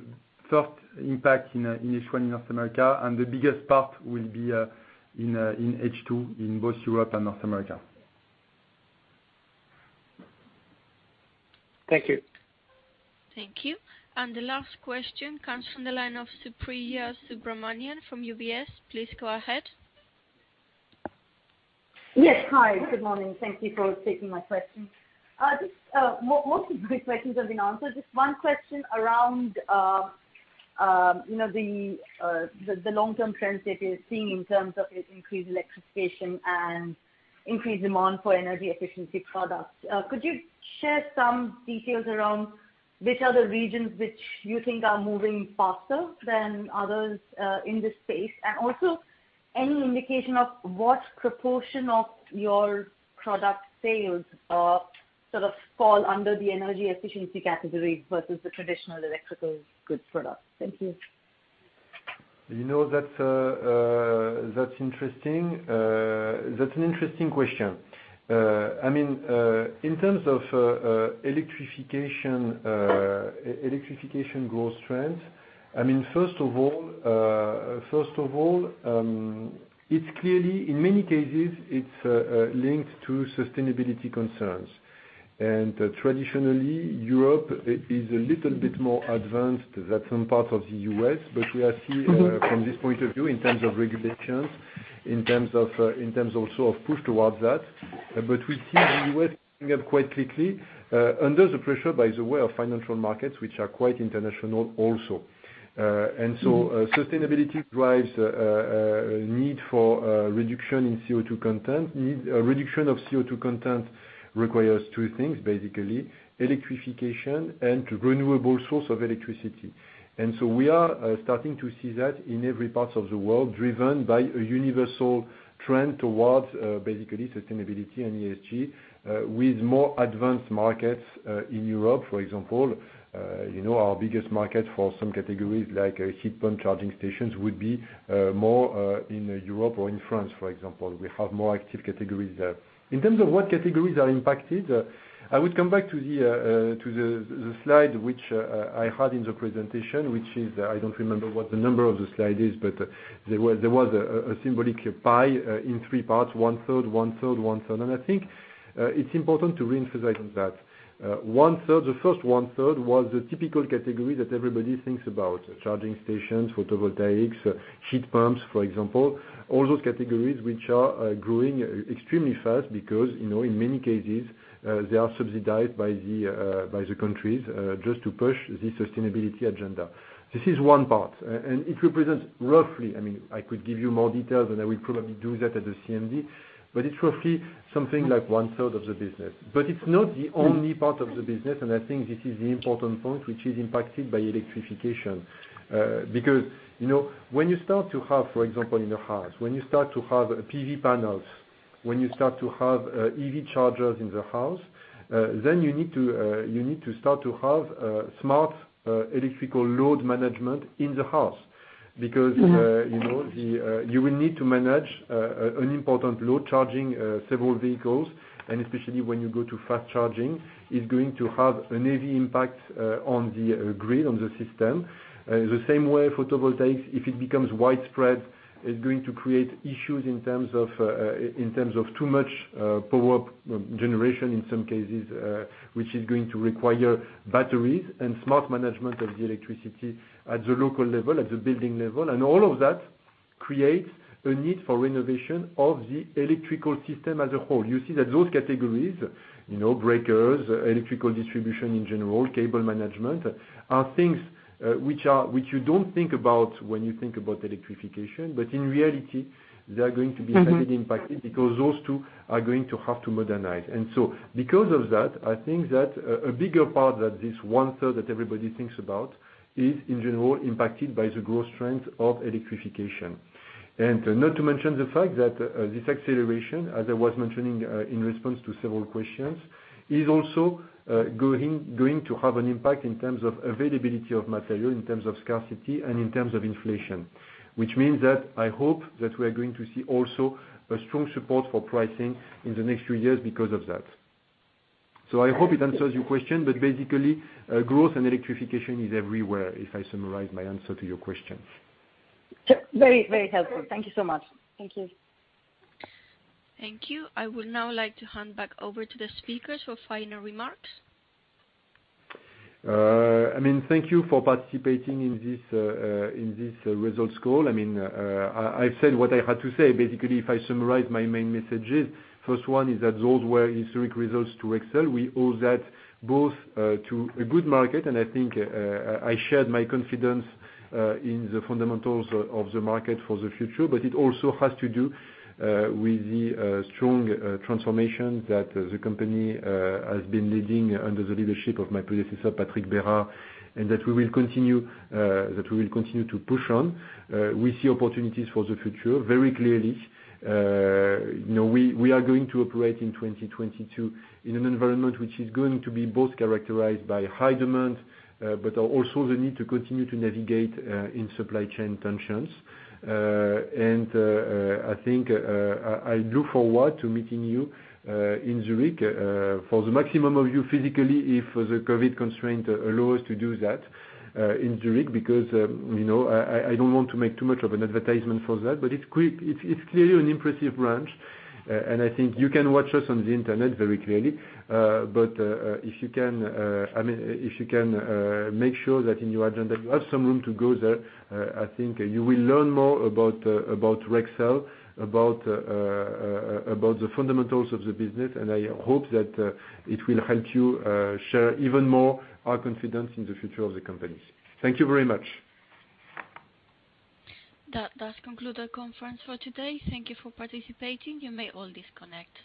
soft impact in H1 in North America, and the biggest part will be in H2 in both Europe and North America. Thank you. Thank you. The last question comes from the line of Supriya Subramanian from UBS. Please go ahead. Yes. Hi. Good morning. Thank you for taking my question. Just, most of the questions have been answered. Just one question around, you know, the long-term trends that you're seeing in terms of increased electrification and increased demand for energy efficiency products. Could you share some details around which are the regions which you think are moving faster than others, in this space? And also, any indication of what proportion of your product sales, sort of fall under the energy efficiency category versus the traditional electrical goods product? Thank you. You know, that's interesting. That's an interesting question. I mean, in terms of electrification growth trends, I mean, first of all, it's clearly, in many cases it's linked to sustainability concerns. Traditionally, Europe is a little bit more advanced than some parts of the U.S., but we are seeing, from this point of view in terms of regulations, in terms of, in terms also of push towards that. We see the U.S. coming up quite quickly, under the pressure by the way of financial markets which are quite international also. Sustainability drives demand for reduction in CO2 content. Reduction of CO2 content requires two things, basically, electrification and renewable source of electricity. We are starting to see that in every part of the world, driven by a universal trend towards basically sustainability and ESG, with more advanced markets in Europe, for example. You know, our biggest market for some categories like heat pump charging stations would be more in Europe or in France, for example. We have more active categories there. In terms of what categories are impacted, I would come back to the slide which I had in the presentation, which is, I don't remember what the number of the slide is, but there was a symbolic pie in three parts, one-third, one-third, one-third. I think it's important to re-emphasize on that. One-third, the first one-third was the typical category that everybody thinks about, charging stations, photovoltaics, heat pumps, for example. All those categories which are growing extremely fast because, you know, in many cases, they are subsidized by the countries just to push the sustainability agenda. This is one part, and it represents roughly, I mean, I could give you more details, and I will probably do that at the CMD, but it's roughly something like one-third of the business. It's not the only part of the business, and I think this is the important point which is impacted by electrification. You know, when you start to have, for example, in a house, when you start to have PV panels, when you start to have EV chargers in the house, then you need to start to have smart electrical load management in the house. Mm-hmm. You know, you will need to manage an important load charging several vehicles, and especially when you go to fast charging, it's going to have a heavy impact on the grid, on the system. The same way photovoltaic, if it becomes widespread, is going to create issues in terms of too much power generation in some cases, which is going to require batteries and smart management of the electricity at the local level, at the building level. All of that creates a need for renovation of the electrical system as a whole. You see that those categories, you know, breakers, electrical distribution in general, cable management, are things which you don't think about when you think about electrification, but in reality, they are going to be- Mm-hmm. Heavily impacted because those two are going to have to modernize. Because of that, I think that a bigger part of this one-third that everybody thinks about is in general impacted by the growth trend of electrification. Not to mention the fact that this acceleration, as I was mentioning, in response to several questions, is also going to have an impact in terms of availability of material, in terms of scarcity, and in terms of inflation. Which means that I hope that we are going to see also a strong support for pricing in the next few years because of that. I hope it answers your question, but basically, growth and electrification is everywhere, if I summarize my answer to your question. Very, very helpful. Thank you so much. Thank you. Thank you. I would now like to hand back over to the speakers for final remarks. I mean, thank you for participating in this results call. I mean, I said what I had to say. Basically, if I summarize my main messages, first one is that those were historic results for Rexel. We owe that both to a good market, and I think I shared my confidence in the fundamentals of the market for the future. It also has to do with the strong transformation that the company has been leading under the leadership of my predecessor, Patrick Berard, and that we will continue to push on. We see opportunities for the future very clearly. You know, we are going to operate in 2022 in an environment which is going to be both characterized by high demand, but also the need to continue to navigate in supply chain tensions. I think I look forward to meeting you in Zurich for the maximum of you physically, if the COVID constraint allows us to do that in Zurich, because you know, I don't want to make too much of an advertisement for that, but it's clearly an impressive branch. I think you can watch us on the internet very clearly. I mean, if you can make sure that in your agenda you have some room to go there, I think you will learn more about Rexel, about the fundamentals of the business, and I hope that it will help you share even more our confidence in the future of the company. Thank you very much. That does conclude our conference for today. Thank you for participating. You may all disconnect.